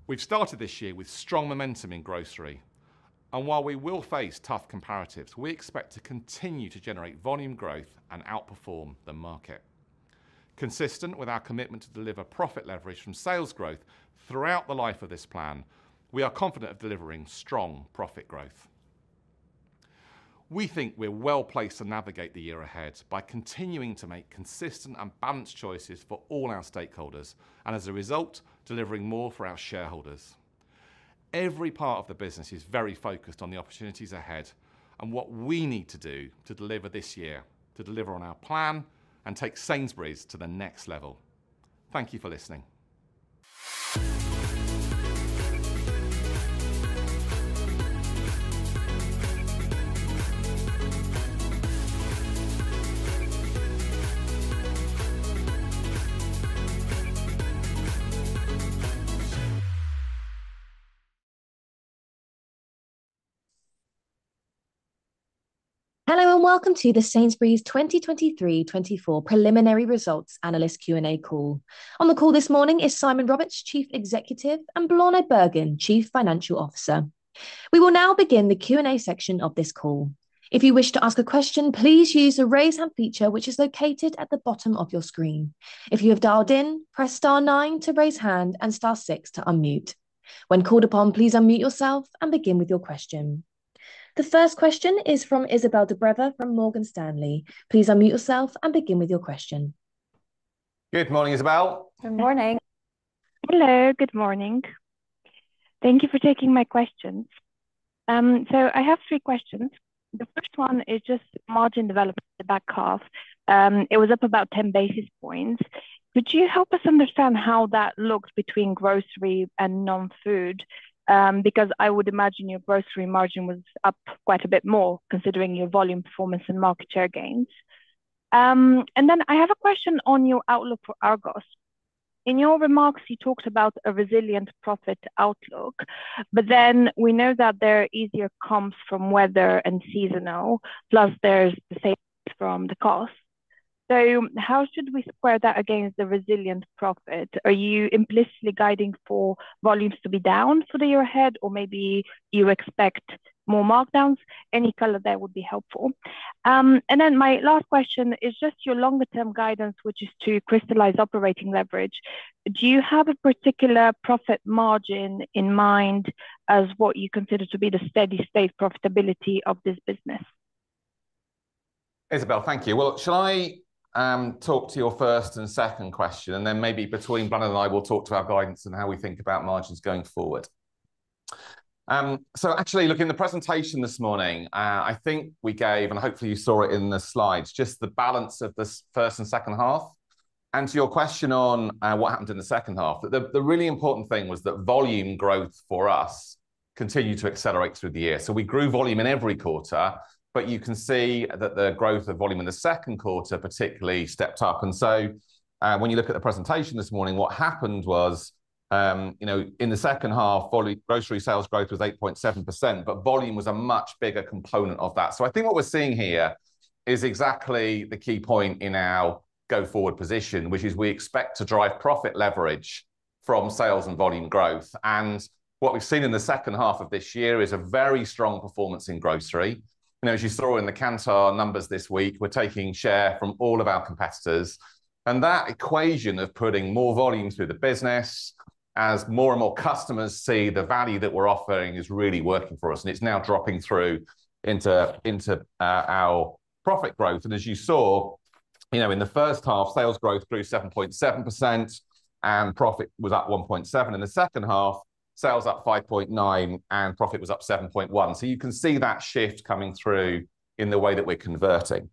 We've started this year with strong momentum in grocery, and while we will face tough comparatives, we expect to continue to generate volume growth and outperform the market. Consistent with our commitment to deliver profit leverage from sales growth throughout the life of this plan, we are confident of delivering strong profit growth. We think we're well-placed to navigate the year ahead by continuing to make consistent and balanced choices for all our stakeholders, and as a result, delivering more for our shareholders. Every part of the business is very focused on the opportunities ahead and what we need to do to deliver this year, to deliver on our plan and take Sainsbury's to the next level. Thank you for listening. Hello, and welcome to the Sainsbury's 2023/2024 preliminary results analyst Q&A call. On the call this morning is Simon Roberts, Chief Executive, and Bláthnaid Bergin, Chief Financial Officer. We will now begin the Q&A section of this call. If you wish to ask a question, please use the Raise Hand feature, which is located at the bottom of your screen. If you have dialed in, press star nine to raise hand and star six to unmute. When called upon, please unmute yourself and begin with your question. The first question is from Izabel Dobreva from Morgan Stanley. Please unmute yourself and begin with your question. Good morning, Izabel. Good morning. Hello, good morning. Thank you for taking my questions. So I have three questions. The first one is just margin development in the back half. It was up about 10 basis points. Could you help us understand how that looks between grocery and non-food? Because I would imagine your grocery margin was up quite a bit more, considering your volume performance and market share gains. And then I have a question on your outlook for Argos. In your remarks, you talked about a resilient profit outlook, but then we know that there are easier comps from weather and seasonal, plus there's savings from the cost. So how should we square that against the resilient profit? Are you implicitly guiding for volumes to be down for the year ahead, or maybe you expect more markdowns? Any color there would be helpful. And then my last question is just your longer-term guidance, which is to crystallize operating leverage. Do you have a particular profit margin in mind as what you consider to be the steady state profitability of this business? Izabel, thank you. Well, shall I talk to your first and second question, and then maybe between Bláthnaid and I, we'll talk to our guidance and how we think about margins going forward? So actually, looking in the presentation this morning, I think we gave, and hopefully you saw it in the slides, just the balance of this first and second half. And to your question on what happened in the second half, the really important thing was that volume growth for us continued to accelerate through the year. So we grew volume in every quarter, but you can see that the growth of volume in the second quarter particularly stepped up. When you look at the presentation this morning, what happened was, you know, in the second half, grocery sales growth was 8.7%, but volume was a much bigger component of that. So I think what we're seeing here is exactly the key point in our go-forward position, which is we expect to drive profit leverage from sales and volume growth. What we've seen in the second half of this year is a very strong performance in grocery. And as you saw in the Kantar numbers this week, we're taking share from all of our competitors. That equation of putting more volume through the business, as more and more customers see the value that we're offering, is really working for us, and it's now dropping through into our profit growth. And as you saw, you know, in the first half, sales growth grew 7.7%, and profit was at 1.7. In the second half, sales up 5.9, and profit was up 7.1. So you can see that shift coming through in the way that we're converting.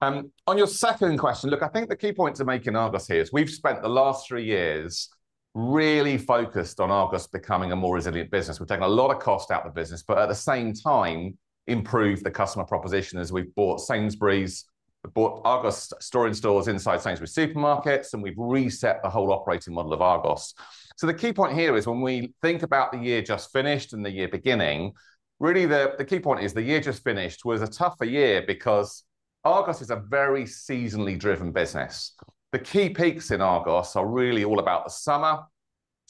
On your second question, look, I think the key points to make in Argos here is we've spent the last three years really focused on Argos becoming a more resilient business. We've taken a lot of cost out of the business, but at the same time, improved the customer proposition as we've brought Sainsbury's and Argos store-in-stores inside Sainsbury's supermarkets, and we've reset the whole operating model of Argos. The key point here is when we think about the year just finished and the year beginning, really, the key point is the year just finished was a tougher year because Argos is a very seasonally driven business. The key peaks in Argos are really all about the summer,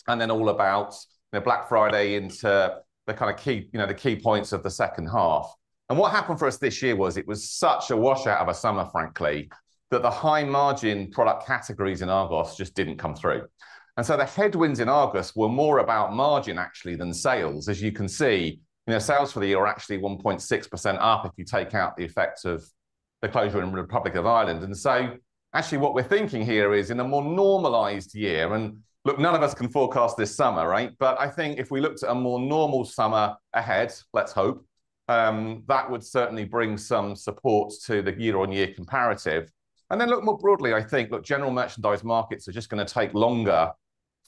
and then all about the Black Friday into the kind of key, you know, the key points of the second half. And what happened for us this year was it was such a washout of a summer, frankly, that the high-margin product categories in Argos just didn't come through. And so the headwinds in Argos were more about margin, actually, than sales. As you can see, you know, sales for the year are actually 1.6% up if you take out the effects of the closure in Republic of Ireland. So actually, what we're thinking here is in a more normalized year. And look, none of us can forecast this summer, right? But I think if we looked at a more normal summer ahead, let's hope, that would certainly bring some support to the year-over-year comparative. And then, look, more broadly, I think, general merchandise markets are just going to take longer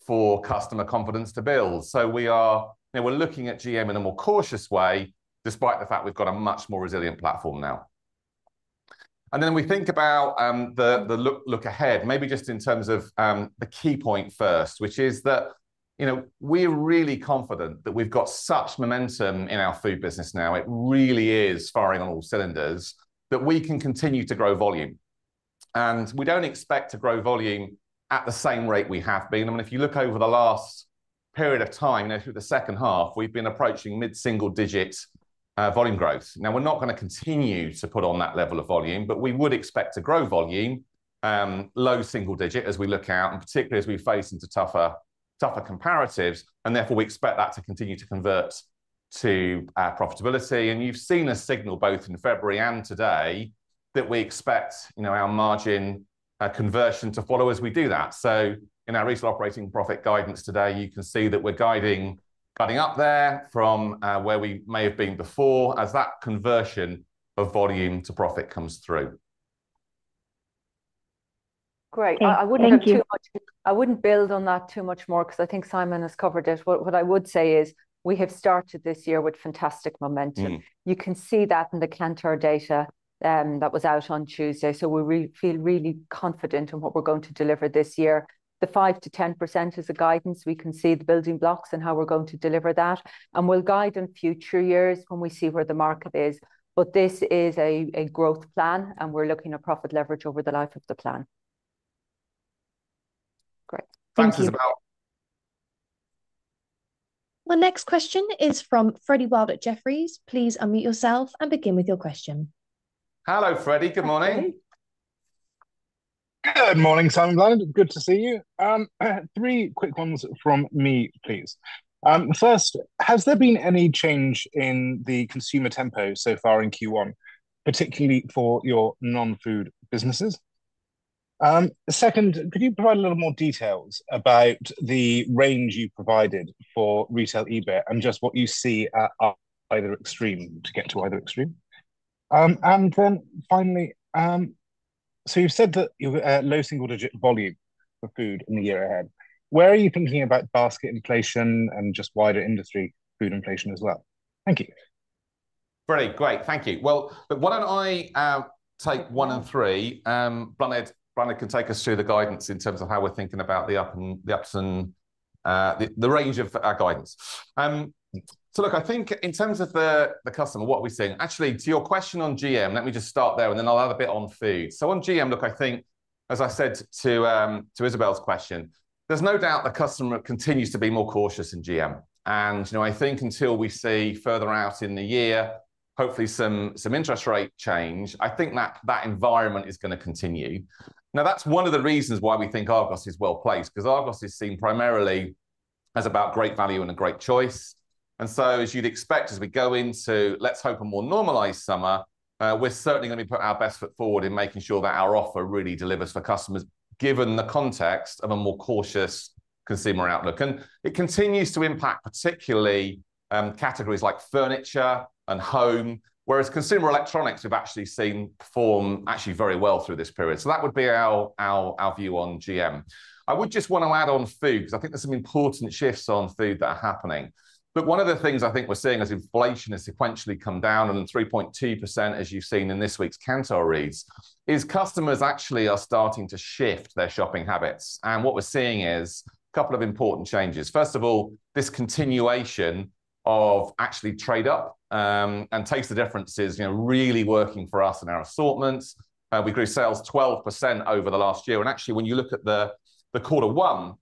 for customer confidence to build. So we are, you know, we're looking at GM in a more cautious way, despite the fact we've got a much more resilient platform now. And then we think about the look ahead, maybe just in terms of the key point first, which is that, you know, we're really confident that we've got such momentum in our food business now, it really is firing on all cylinders, that we can continue to grow volume. and we don't expect to grow volume at the same rate we have been. I mean, if you look over the last period of time, you know, through the second half, we've been approaching mid-single-digit volume growth. Now, we're not gonna continue to put on that level of volume, but we would expect to grow volume low single-digit as we look out, and particularly as we face into tougher, tougher comparatives, and therefore we expect that to continue to convert to our profitability. And you've seen a signal, both in February and today, that we expect, you know, our margin conversion to follow as we do that. So in our retail operating profit guidance today, you can see that we're guiding, guiding up there from where we may have been before, as that conversion of volume to profit comes through. Great. Okay, thank you. I wouldn't go too much- I wouldn't build on that too much more, 'cause I think Simon has covered it. What I would say is we have started this year with fantastic momentum. Mm-hmm. You can see that in the Kantar data, that was out on Tuesday, so we really feel confident in what we're going to deliver this year. The 5%-10% is the guidance. We can see the building blocks and how we're going to deliver that, and we'll guide in future years when we see where the market is. But this is a growth plan, and we're looking at profit leverage over the life of the plan. Great. Thank you. Thanks, Izabel. The next question is from Freddy Wilde at Jefferies. Please unmute yourself and begin with your question. Hello, Freddy. Good morning. Good morning, Simon, Bláthnaid. Good to see you. Three quick ones from me, please. First, has there been any change in the consumer tempo so far in Q1, particularly for your non-food businesses? Second, could you provide a little more details about the range you provided for retail EBITDA, and just what you see at either extreme, to get to either extreme? And then finally, so you've said that you're at low single-digit volume for food in the year ahead. Where are you thinking about basket inflation and just wider industry food inflation as well? Thank you. Freddy, great, thank you. Well, look, why don't I take one and three, Bláthnaid, Bláthnaid can take us through the guidance in terms of how we're thinking about the ups and the range of our guidance. So look, I think in terms of the customer, what we're seeing... Actually, to your question on GM, let me just start there, and then I'll add a bit on food. So on GM, look, I think, as I said to Izabel's question, there's no doubt the customer continues to be more cautious in GM. And, you know, I think until we see further out in the year, hopefully some interest rate change, I think that environment is gonna continue. Now, that's one of the reasons why we think Argos is well-placed, 'cause Argos is seen primarily as about great value and a great choice. And so, as you'd expect, as we go into, let's hope, a more normalized summer, we're certainly gonna be put our best foot forward in making sure that our offer really delivers for customers, given the context of a more cautious consumer outlook. And it continues to impact particularly categories like furniture and home, whereas consumer electronics have actually seen, performed actually very well through this period. So that would be our view on GM. I would just want to add on food, because I think there's some important shifts on food that are happening. But one of the things I think we're seeing as inflation has sequentially come down and then 3.2%, as you've seen in this week's Kantar reads, is customers actually are starting to shift their shopping habits, and what we're seeing is a couple of important changes. First of all, this continuation of actually trade up, and Taste the Difference is, you know, really working for us and our assortments. We grew sales 12% over the last year, and actually, when you look at the quarter one,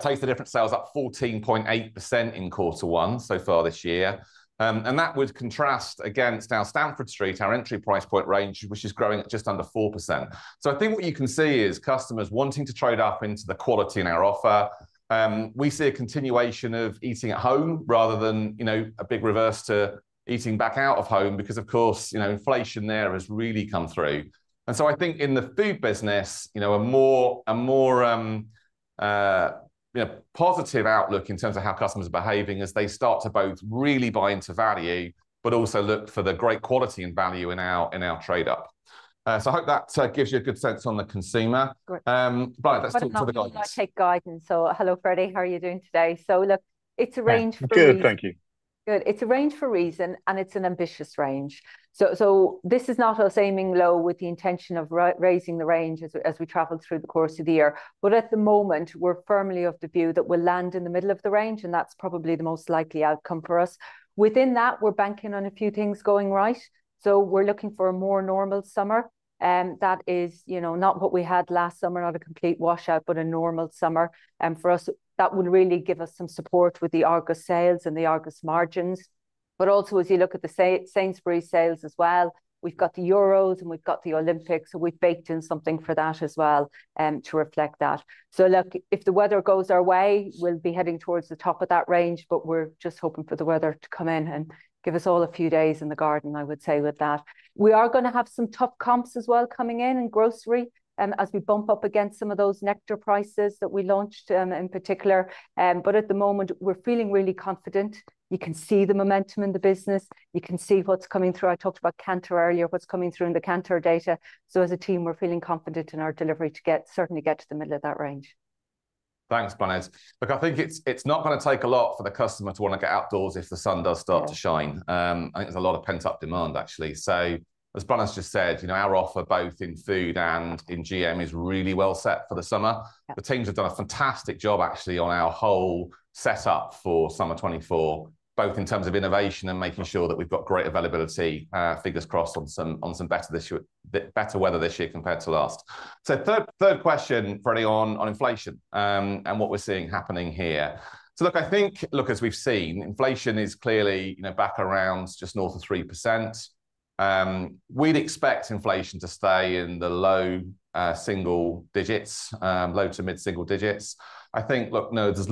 Taste the Difference sales up 14.8% in quarter one so far this year. And that would contrast against our Stamford Street, our entry price point range, which is growing at just under 4%. So I think what you can see is customers wanting to trade up into the quality in our offer. We see a continuation of eating at home rather than, you know, a big reverse to eating back out of home, because of course, you know, inflation there has really come through. And so I think in the food business, you know, a more positive outlook in terms of how customers are behaving as they start to both really buy into value, but also look for the great quality and value in our trade up. So I hope that gives you a good sense on the consumer. Good. Bláthnaid, let's talk to the guidance. I take guidance, so hello, Freddy. How are you doing today? So look, it's a range for a reason. Good, thank you. Good. It's a range for a reason, and it's an ambitious range. So, this is not us aiming low with the intention of raising the range as we travel through the course of the year. But at the moment, we're firmly of the view that we'll land in the middle of the range, and that's probably the most likely outcome for us. Within that, we're banking on a few things going right, so we're looking for a more normal summer. That is, you know, not what we had last summer, not a complete washout, but a normal summer. For us, that would really give us some support with the Argos sales and the Argos margins. But also, as you look at the Sainsbury's sales as well, we've got the Euros and we've got the Olympics, so we've baked in something for that as well, to reflect that. So look, if the weather goes our way, we'll be heading towards the top of that range, but we're just hoping for the weather to come in and give us all a few days in the garden, I would say with that. We are gonna have some tough comps as well coming in in grocery, as we bump up against some of those Nectar Prices that we launched, in particular. But at the moment, we're feeling really confident. You can see the momentum in the business. You can see what's coming through. I talked about Kantar earlier, what's coming through in the Kantar data. As a team, we're feeling confident in our delivery to certainly get to the middle of that range. Thanks, Bláthnaid. Look, I think it's not gonna take a lot for the customer to want to get outdoors if the sun does start to shine. Yeah. I think there's a lot of pent-up demand, actually. So as Bláthnaid just said, you know, our offer, both in food and in GM, is really well set for the summer. Yeah. The teams have done a fantastic job, actually, on our whole setup for summer 2024, both in terms of innovation and making sure that we've got great availability, fingers crossed, on better weather this year compared to last. So third question, Freddy, on inflation and what we're seeing happening here. So look, I think, look, as we've seen, inflation is clearly, you know, back around just north of 3%. We'd expect inflation to stay in the low single digits, low to mid-single digits. I think, look, no, there's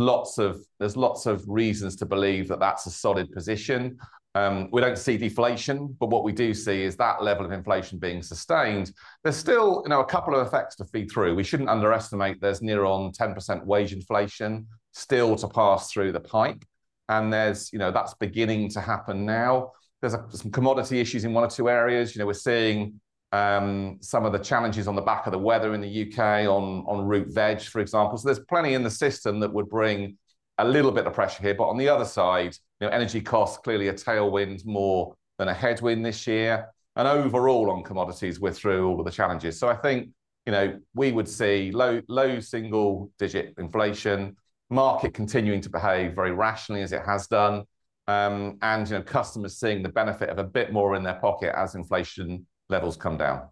lots of reasons to believe that that's a solid position. We don't see deflation, but what we do see is that level of inflation being sustained. There's still, you know, a couple of effects to feed through. We shouldn't underestimate there's near on 10% wage inflation still to pass through the pipe, and there's, you know, that's beginning to happen now. There's a, some commodity issues in one or two areas. You know, we're seeing some of the challenges on the back of the weather in the UK on root veg, for example. So there's plenty in the system that would bring a little bit of pressure here, but on the other side, you know, energy costs clearly a tailwind more than a headwind this year. And overall, on commodities, we're through all the challenges. So I think, you know, we would see low single-digit inflation, market continuing to behave very rationally as it has done, and, you know, customers seeing the benefit of a bit more in their pocket as inflation levels come down.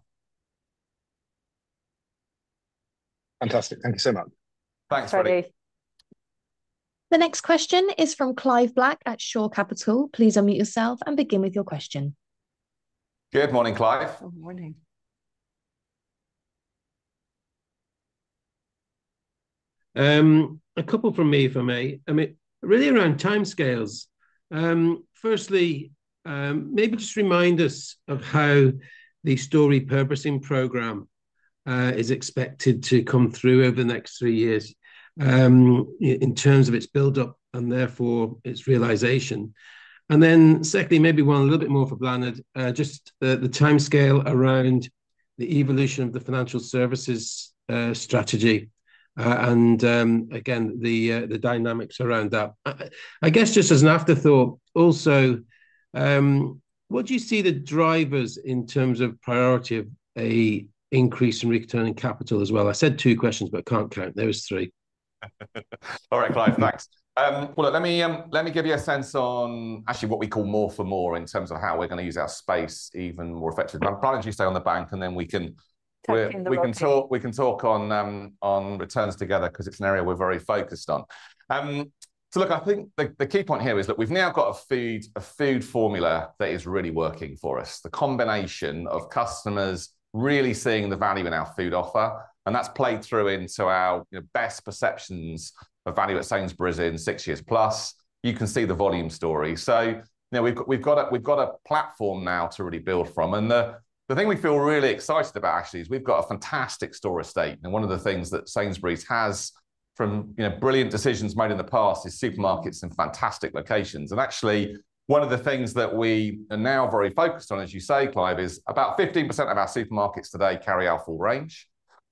Fantastic. Thank you so much. Thanks, Freddy. The next question is from Clive Black at Shore Capital. Please unmute yourself and begin with your question. Good morning, Clive. Good morning. A couple from me, if I may. I mean, really around timescales. Firstly, maybe just remind us of how the store repurposing program is expected to come through over the next three years, in terms of its build-up, and therefore its realization. And then secondly, maybe one a little bit more for Bláthnaid, just the timescale around the evolution of the financial services strategy, and again, the dynamics around that. I guess just as an afterthought, also, what do you see the drivers in terms of priority of a increase in returning capital as well? I said two questions, but can't count. There was three. All right, Clive, thanks. Well, let me, let me give you a sense on actually what we call more for more in terms of how we're going to use our space even more effectively. But why don't you stay on the bank, and then we can- Tackling the bank... we can talk on returns together 'cause it's an area we're very focused on. So look, I think the key point here is that we've now got a food formula that is really working for us. The combination of customers really seeing the value in our food offer, and that's played through into our, you know, best perceptions of value at Sainsbury's in six years plus. You can see the volume story. So, you know, we've got a platform now to really build from, and the thing we feel really excited about, actually, is we've got a fantastic store estate. And one of the things that Sainsbury's has from, you know, brilliant decisions made in the past, is supermarkets in fantastic locations. Actually, one of the things that we are now very focused on, as you say, Clive, is about 15% of our supermarkets today carry our full range.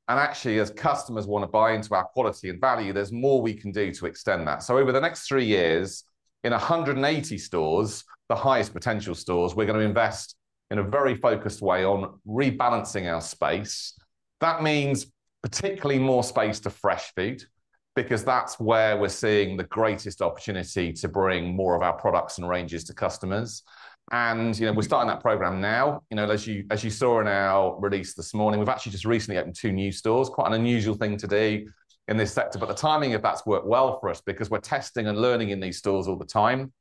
Actually, as customers want to buy into our quality and value, there's more we can do to extend that. So over the next three years, in 180 stores, the highest potential stores, we're going to invest in a very focused way on rebalancing our space. That means particularly more space to fresh food, because that's where we're seeing the greatest opportunity to bring more of our products and ranges to customers. And, you know, we're starting that program now. You know, as you, as you saw in our release this morning, we've actually just recently opened two new stores. Quite an unusual thing to do in this sector, but the timing of that's worked well for us because we're testing and learning in these stores all the time.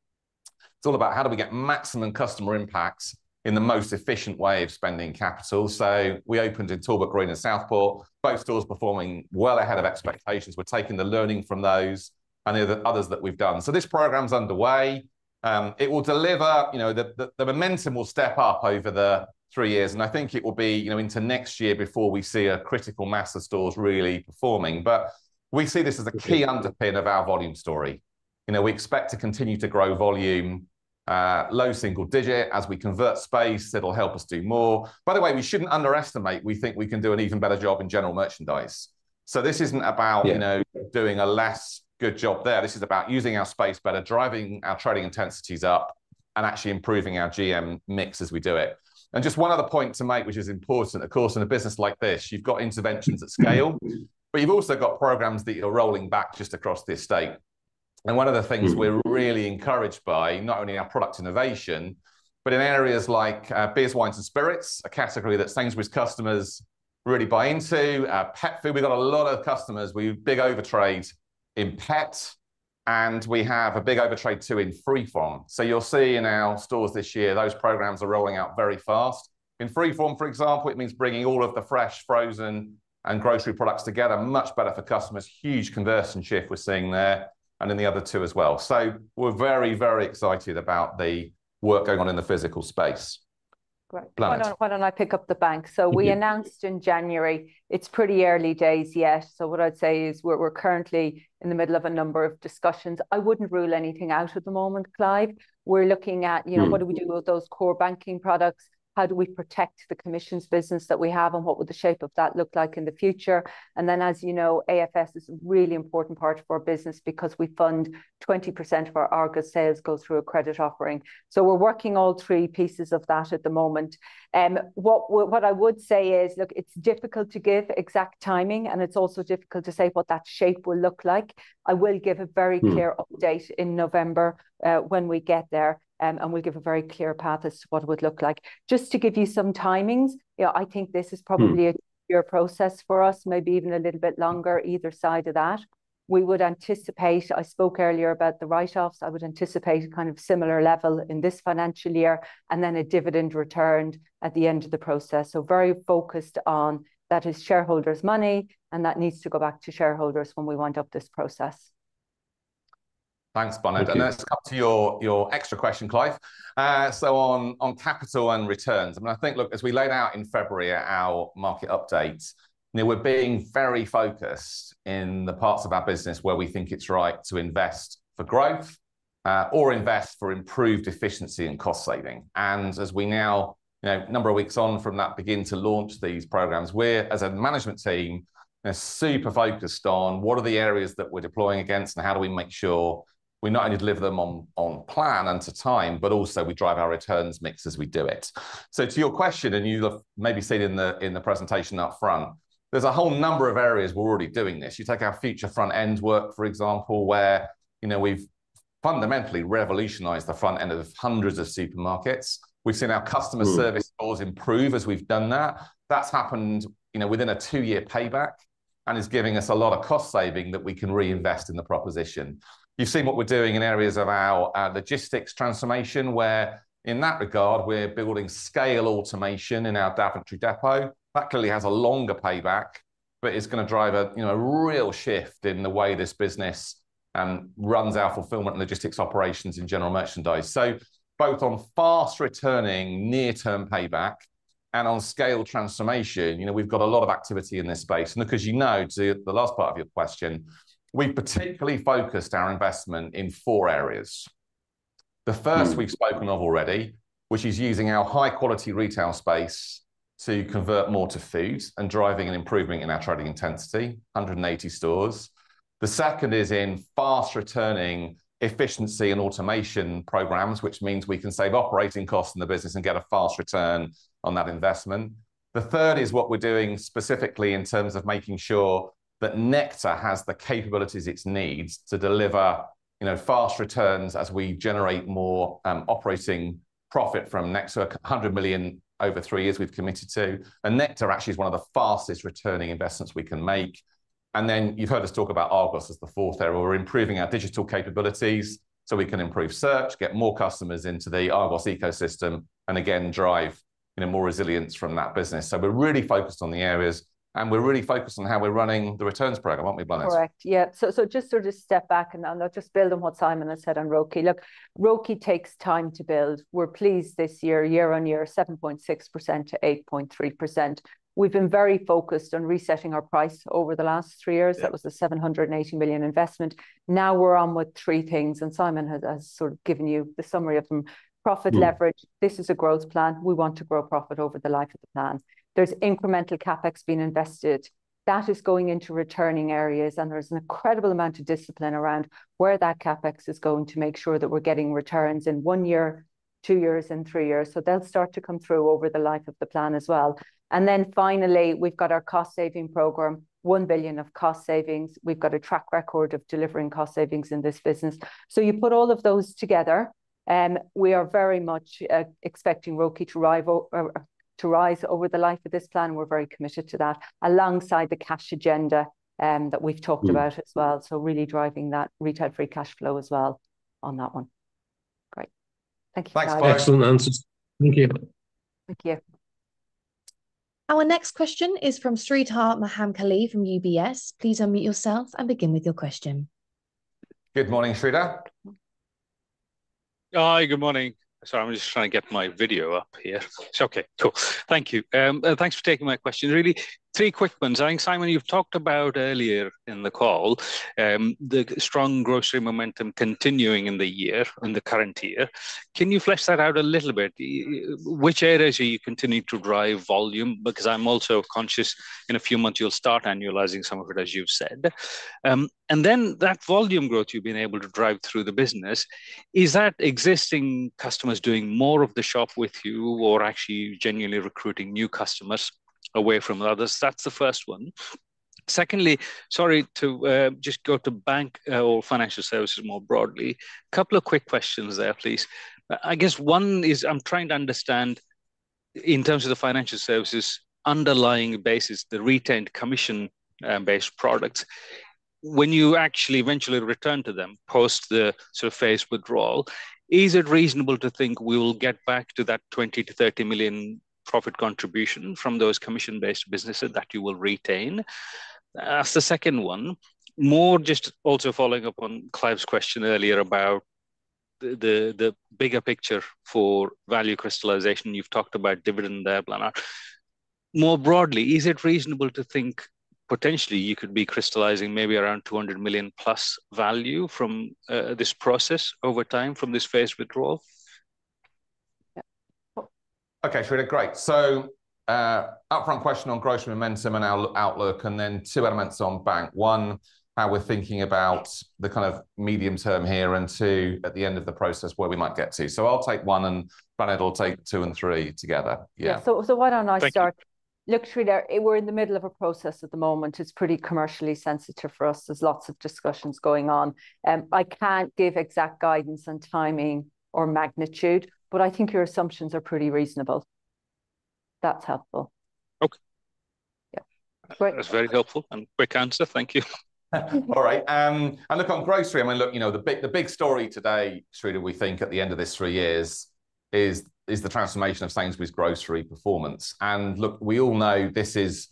It's all about how do we get maximum customer impact in the most efficient way of spending capital? So we opened in Talbot Green and Southport, both stores performing well ahead of expectations. We're taking the learning from those and the others that we've done. So this program's underway. It will deliver, you know, the momentum will step up over the three years, and I think it will be, you know, into next year before we see a critical mass of stores really performing. But we see this as a key underpin of our volume story. You know, we expect to continue to grow volume, low single digit. As we convert space, it'll help us do more. By the way, we shouldn't underestimate, we think we can do an even better job in general merchandise. So this isn't about, you know, doing a less good job there. This is about using our space better, driving our trading intensities up, and actually improving our GM mix as we do it. And just one other point to make, which is important, of course, in a business like this, you've got interventions at scale, but you've also got programs that you're rolling back just across the estate. And one of the things we're really encouraged by, not only our product innovation, but in areas like beers, wines, and spirits, a category that Sainsbury's customers really buy into. Pet food, we've got a lot of customers with big overtrade in pet, and we have a big overtrade, too, in Free Form. So you'll see in our stores this year, those programs are rolling out very fast. In Free Form, for example, it means bringing all of the fresh, frozen, and grocery products together. Much better for customers. Huge conversion shift we're seeing there, and in the other two as well. So we're very, very excited about the work going on in the physical space. Great. Bláthnaid. Why don't I pick up the bank? Mm-hmm. So we announced in January. It's pretty early days yet, so what I'd say is we're currently in the middle of a number of discussions. I wouldn't rule anything out at the moment, Clive. We're looking at, you know what do we do with those core banking products? How do we protect the commissions business that we have, and what would the shape of that look like in the future? And then, as you know, AFS is a really important part of our business because we fund 20% of our Argos sales go through a credit offering. So we're working all three pieces of that at the moment. What I would say is, look, it's difficult to give exact timing, and it's also difficult to say what that shape will look like. I will give a very clear update in November, when we get there, and we'll give a very clear path as to what it would look like. Just to give you some timings, yeah, I think this is probably a year process for us, maybe even a little bit longer either side of that. We would anticipate, I spoke earlier about the write-offs, I would anticipate a kind of similar level in this financial year, and then a dividend returned at the end of the process. So very focused on, that is shareholders' money, and that needs to go back to shareholders when we wind up this process. Thanks, Bláthnaid. Thank you. Let's come to your, your extra question, Clive. So on, on capital and returns, I mean, I think, look, as we laid out in February at our market update, you know, we're being very focused in the parts of our business where we think it's right to invest for growth, or invest for improved efficiency and cost saving. As we now, you know, a number of weeks on from that, begin to launch these programs, we're, as a management team, are super focused on what are the areas that we're deploying against, and how do we make sure we not only deliver them on, on plan and to time, but also we drive our returns mix as we do it? To your question, and you've maybe seen in the, in the presentation up front, there's a whole number of areas we're already doing this. You take our Future Front End work, for example, where, you know, we've fundamentally revolutionized the front end of hundreds of supermarkets. We've seen our customer serve scores improve as we've done that. That's happened, you know, within a two-year payback and is giving us a lot of cost saving that we can reinvest in the proposition. You've seen what we're doing in areas of our logistics transformation, where in that regard, we're building scale automation in our Daventry depot. That clearly has a longer payback, but it's gonna drive a, you know, a real shift in the way this business runs our fulfillment and logistics operations in general merchandise. So both on fast returning near-term payback and on scale transformation, you know, we've got a lot of activity in this space. And because you know, to the, the last part of your question, we've particularly focused our investment in four areas. Mm. The first we've spoken of already, which is using our high-quality retail space to convert more to food and driving an improvement in our trading intensity, 180 stores. The second is in fast returning efficiency and automation programs, which means we can save operating costs in the business and get a fast return on that investment. The third is what we're doing specifically in terms of making sure that Nectar has the capabilities it needs to deliver, you know, fast returns as we generate more operating profit from Nectar. 100 million over three years we've committed to, and Nectar actually is one of the fastest returning investments we can make. And then you've heard us talk about Argos as the fourth area. We're improving our digital capabilities so we can improve search, get more customers into the Argos ecosystem, and again, drive, you know, more resilience from that business. We're really focused on the areas, and we're really focused on how we're running the returns program, aren't we, Bláthnaid? Correct, yeah. So just sort of step back, and I'll just build on what Simon has said on ROCE. Look, ROCE takes time to build. We're pleased this year, year on year, 7.6%-8.3%. We've been very focused on resetting our price over the last three years. Yeah. That was the 780 million investment. Now we're on with three things, and Simon has sort of given you the summary of them. Mm. Profit leverage. This is a growth plan. We want to grow profit over the life of the plan. There's incremental CapEx being invested. That is going into returning areas, and there is an incredible amount of discipline around where that CapEx is going to make sure that we're getting returns in one year, two years, and three years. So they'll start to come through over the life of the plan as well. And then finally, we've got our cost saving program, 1 billion of cost savings. We've got a track record of delivering cost savings in this business. So you put all of those together, we are very much expecting ROCE to rival or to rise over the life of this plan. We're very committed to that, alongside the cash agenda, that we've talked about as well. Mm. So really driving that retail free cash flow as well on that one. Great. Thank you, Clive. Thanks, Bláthnaid. Excellent answers. Thank you. Thank you. Our next question is from Sreedhar Mahamkali from UBS. Please unmute yourself and begin with your question. Good morning, Sreedhar. Hi, good morning. Sorry, I'm just trying to get my video up here. It's okay, cool. Thank you. Thanks for taking my question. Really, three quick ones. I think, Simon, you've talked about earlier in the call, the strong grocery momentum continuing in the year, in the current year. Can you flesh that out a little bit? Which areas are you continuing to drive volume? Because I'm also conscious in a few months you'll start annualizing some of it, as you've said. And then that volume growth you've been able to drive through the business, is that existing customers doing more of the shop with you, or actually genuinely recruiting new customers away from others? That's the first one. Secondly, sorry to just go to bank or financial services more broadly. Couple of quick questions there, please. I guess one is, I'm trying to understand, in terms of the financial services' underlying basis, the retained commission-based products, when you actually eventually return to them, post the sort of phased withdrawal, is it reasonable to think we will get back to that 20 million-30 million profit contribution from those commission-based businesses that you will retain? That's the second one. More just also following up on Clive's question earlier about the bigger picture for value crystallization. You've talked about dividend there, Bláthnaid. More broadly, is it reasonable to think potentially you could be crystallizing maybe around 200 million+ value from this process over time, from this phased withdrawal? Okay, Sreedhar, great. So, upfront question on grocery momentum and our outlook, and then two elements on bank. One, how we're thinking about the kind of medium term here, and two, at the end of the process, where we might get to. So I'll take one, and Bláthnaid will take two and three together. Yeah. Yeah, so why don't I start? Thank you. Look, Sreedhar, we're in the middle of a process at the moment. It's pretty commercially sensitive for us. There's lots of discussions going on, and I can't give exact guidance on timing or magnitude, but I think your assumptions are pretty reasonable.... That's helpful. Okay. Yeah. Great- That's very helpful, and quick answer. Thank you. All right, and look, on grocery, I mean, look, you know, the big, the big story today, Sreedhar, we think at the end of this three years, is, is the transformation of Sainsbury's grocery performance. And look, we all know this is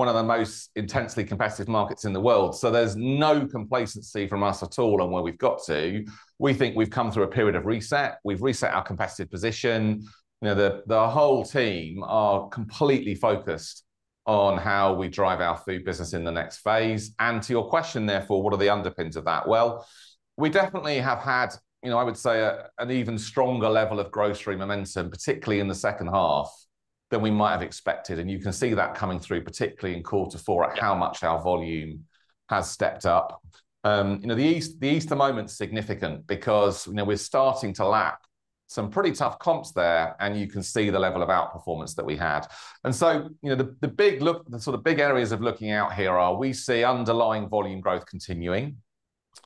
one of the most intensely competitive markets in the world, so there's no complacency from us at all on where we've got to. We think we've come through a period of reset. We've reset our competitive position. You know, the, the whole team are completely focused on how we drive our food business in the next phase. And to your question, therefore, what are the underpins of that? Well, we definitely have had, you know, I would say, a, an even stronger level of grocery momentum, particularly in the second half, than we might have expected, and you can see that coming through, particularly in quarter four, at how much our volume has stepped up. You know, the Easter moment's significant because, you know, we're starting to lap some pretty tough comps there, and you can see the level of outperformance that we had. And so, you know, the big look, the sort of big areas of looking out here are, we see underlying volume growth continuing,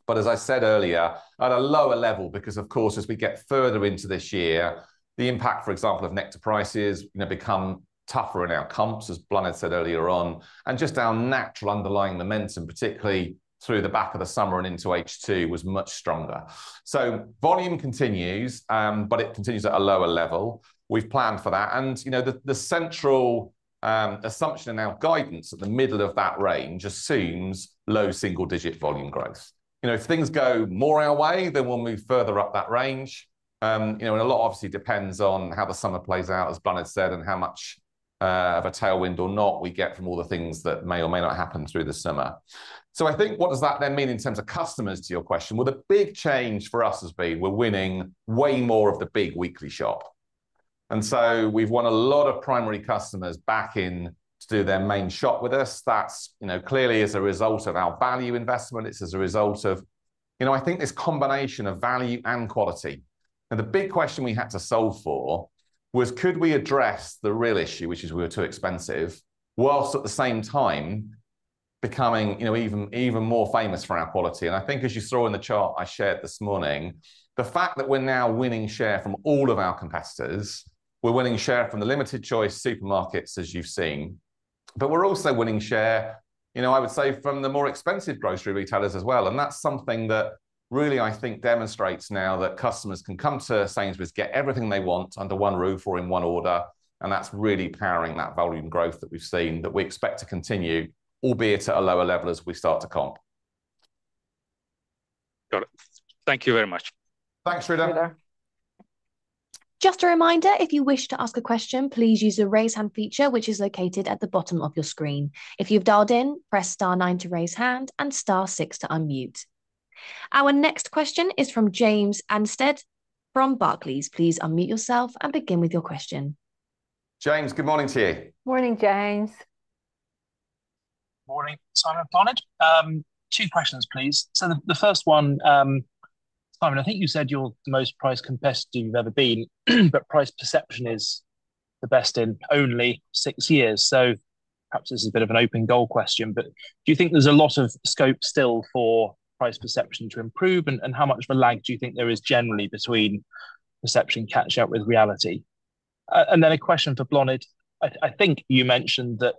but as I said earlier, at a lower level, because, of course, as we get further into this year, the impact, for example, of Nectar Prices, you know, become tougher in our comps, as Bláthnaid said earlier on, and just our natural underlying momentum, particularly through the back of the summer and into H2, was much stronger. So volume continues, but it continues at a lower level. We've planned for that. And, you know, the central assumption in our guidance at the middle of that range assumes low single-digit volume growth. You know, if things go more our way, then we'll move further up that range. You know, and a lot obviously depends on how the summer plays out, as Bláthnaid said, and how much of a tailwind or not we get from all the things that may or may not happen through the summer. So I think what does that then mean in terms of customers, to your question? Well, the big change for us has been we're winning way more of the big weekly shop. And so we've won a lot of primary customers back in to do their main shop with us. That's, you know, clearly as a result of our value investment. It's as a result of, you know, I think this combination of value and quality. Now, the big question we had to solve for was, could we address the real issue, which is we're too expensive, whilst at the same time becoming, you know, even, even more famous for our quality? And I think as you saw in the chart I shared this morning, the fact that we're now winning share from all of our competitors, we're winning share from the limited choice supermarkets, as you've seen, but we're also winning share, you know, I would say, from the more expensive grocery retailers as well, and that's something that really, I think, demonstrates now that customers can come to Sainsbury's, get everything they want under one roof or in one order, and that's really powering that volume growth that we've seen, that we expect to continue, albeit at a lower level as we start to comp. Got it. Thank you very much. Thanks, Sreedhar. See you later. Just a reminder, if you wish to ask a question, please use the Raise Hand feature, which is located at the bottom of your screen. If you've dialed in, press star nine to raise hand and star six to unmute. Our next question is from James Anstead from Barclays. Please unmute yourself and begin with your question. James, good morning to you. Morning, James. Morning, Simon and Bláthnaid. Two questions, please. So the first one, Simon, I think you said you're the most price competitive you've ever been, but price perception is the best in only six years. So perhaps this is a bit of an open goal question, but do you think there's a lot of scope still for price perception to improve? And how much of a lag do you think there is generally between perception catch up with reality? And then a question for Bláthnaid: I think you mentioned that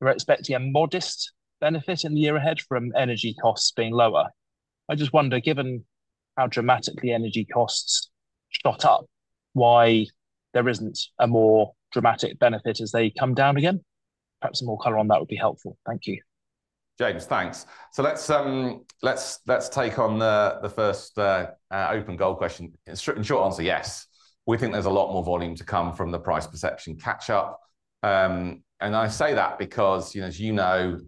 you're expecting a modest benefit in the year ahead from energy costs being lower. I just wonder, given how dramatically energy costs shot up, why there isn't a more dramatic benefit as they come down again? Perhaps some more color on that would be helpful. Thank you. James, thanks. So let's take on the first open goal question. In strict, in short answer, yes, we think there's a lot more volume to come from the price perception catch-up. And I say that because, you know, as you know,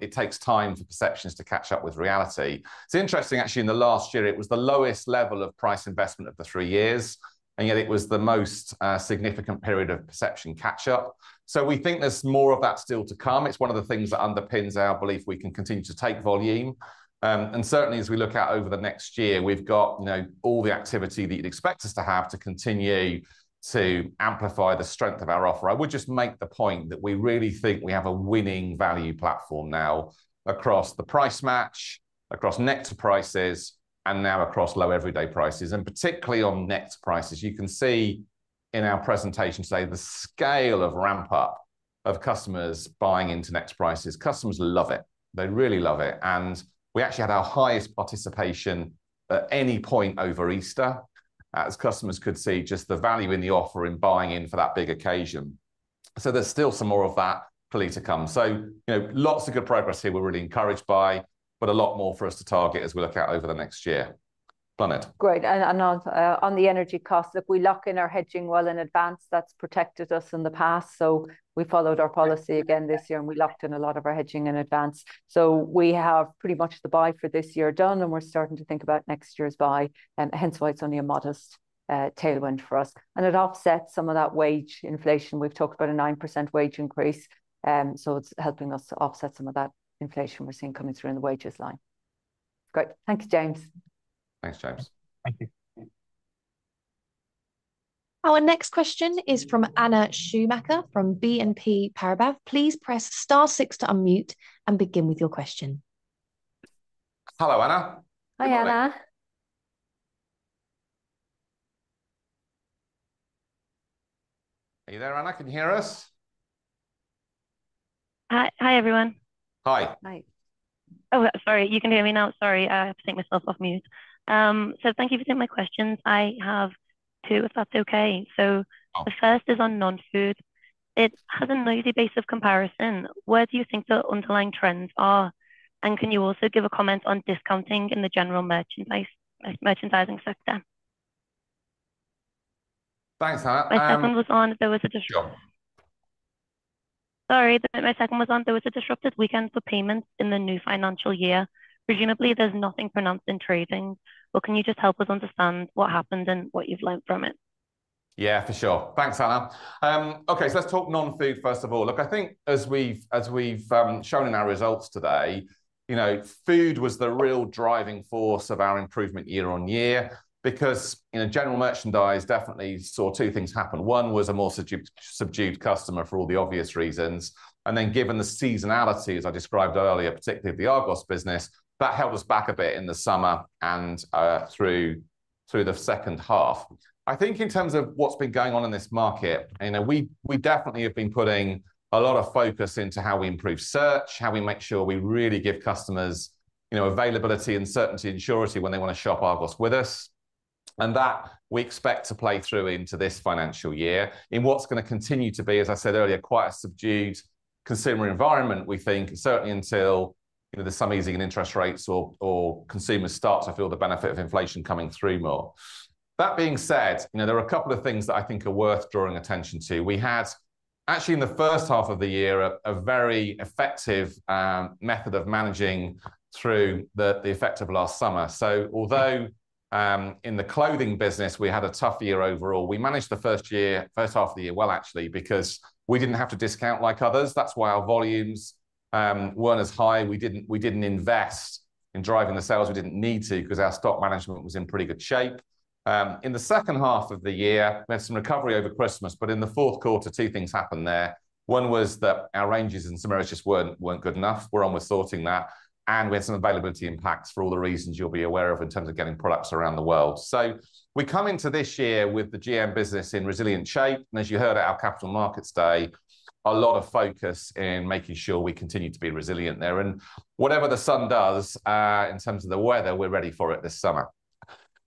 it takes time for perceptions to catch up with reality. It's interesting, actually, in the last year, it was the lowest level of price investment of the three years, and yet it was the most significant period of perception catch-up. So we think there's more of that still to come. It's one of the things that underpins our belief we can continue to take volume. And certainly, as we look out over the next year, we've got, you know, all the activity that you'd expect us to have to continue to amplify the strength of our offer. I would just make the point that we really think we have a winning value platform now across the price match, across Nectar Prices, and now across low everyday prices, and particularly on Nectar Prices. You can see in our presentation today the scale of ramp-up of customers buying into Nectar Prices. Customers love it. They really love it, and we actually had our highest participation at any point over Easter, as customers could see just the value in the offer in buying in for that big occasion. So there's still some more of that clearly to come. So, you know, lots of good progress here we're really encouraged by, but a lot more for us to target as we look out over the next year. Bláthnaid? Great, and on the energy costs, if we lock in our hedging well in advance, that's protected us in the past. So we followed our policy again this year, and we locked in a lot of our hedging in advance. So we have pretty much the buy for this year done, and we're starting to think about next year's buy, and hence why it's only a modest tailwind for us. And it offsets some of that wage inflation. We've talked about a 9% wage increase, so it's helping us to offset some of that inflation we're seeing coming through in the wages line. Great. Thank you, James. Thanks, James. Thank you. Our next question is from Anna Schumacher from BNP Paribas. Please press star six to unmute and begin with your question. Hello, Anna. Hi, Anna.... Are you there, Anna? Can you hear us? Hi. Hi, everyone. Hi. Hi. Oh, sorry, you can hear me now? Sorry, I have to take myself off mute. So thank you for taking my questions. I have two, if that's okay. So the first is on non-food. It has a noisy base of comparison. Where do you think the underlying trends are? And can you also give a comment on discounting in the general merchandise, merchandising sector? Thanks, Anna. My second was on, there was a disru- Sure. Sorry, my second was on there was a disruptive weekend for payments in the new financial year. Presumably, there's nothing pronounced in trading, but can you just help us understand what happened and what you've learned from it? Yeah, for sure. Thanks, Anna. Okay, so let's talk non-food first of all. Look, I think as we've shown in our results today, you know, food was the real driving force of our improvement year-over-year. Because, you know, general merchandise definitely saw two things happen. One was a more subdued customer for all the obvious reasons, and then given the seasonality, as I described earlier, particularly of the Argos business, that held us back a bit in the summer and through the second half. I think in terms of what's been going on in this market, you know, we definitely have been putting a lot of focus into how we improve search, how we make sure we really give customers, you know, availability and certainty and surety when they want to shop Argos with us. That we expect to play through into this financial year, in what's going to continue to be, as I said earlier, quite a subdued consumer environment, we think, certainly until, you know, there's some easing in interest rates or, or consumers start to feel the benefit of inflation coming through more. That being said, you know, there are a couple of things that I think are worth drawing attention to. We had, actually in the first half of the year, a very effective method of managing through the effect of last summer. So although, in the clothing business we had a tough year overall, we managed the first half of the year well, actually, because we didn't have to discount like others. That's why our volumes weren't as high. We didn't invest in driving the sales. We didn't need to, 'cause our stock management was in pretty good shape. In the second half of the year, we had some recovery over Christmas, but in the fourth quarter, two things happened there. One was that our ranges in some areas just weren't good enough. We're on with sorting that, and we had some availability impacts for all the reasons you'll be aware of in terms of getting products around the world. So we come into this year with the GM business in resilient shape, and as you heard at our capital markets day, a lot of focus in making sure we continue to be resilient there. And whatever the sun does, in terms of the weather, we're ready for it this summer.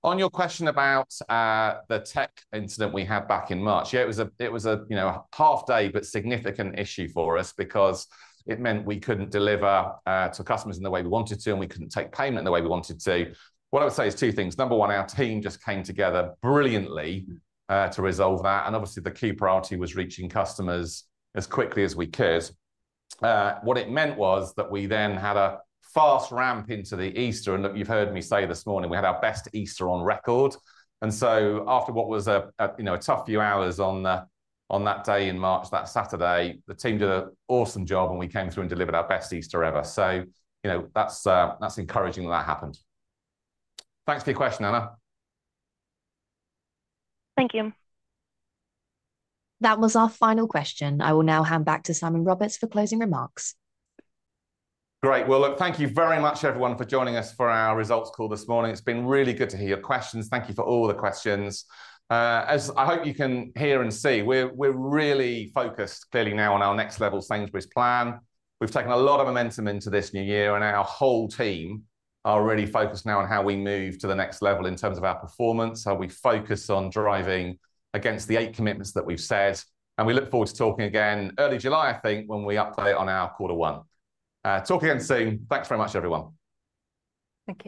On your question about the tech incident we had back in March, yeah, it was a, you know, a half day, but significant issue for us because it meant we couldn't deliver to customers in the way we wanted to, and we couldn't take payment in the way we wanted to. What I would say is two things. Number one, our team just came together brilliantly to resolve that, and obviously the key priority was reaching customers as quickly as we could. What it meant was that we then had a fast ramp into the Easter, and look, you've heard me say this morning, we had our best Easter on record. And so after what was a, you know, a tough few hours on that day in March, that Saturday, the team did an awesome job, and we came through and delivered our best Easter ever. So, you know, that's encouraging that happened. Thanks for your question, Anna. Thank you. That was our final question. I will now hand back to Simon Roberts for closing remarks. Great. Well, look, thank you very much, everyone, for joining us for our results call this morning. It's been really good to hear your questions. Thank you for all the questions. As I hope you can hear and see, we're really focused, clearly now, on our Next Level Sainsbury's plan. We've taken a lot of momentum into this new year, and our whole team are really focused now on how we move to the next level in terms of our performance, how we focus on driving against the eight commitments that we've said, and we look forward to talking again, early July, I think, when we update on our quarter one. Talk again soon. Thanks very much, everyone. Thank you.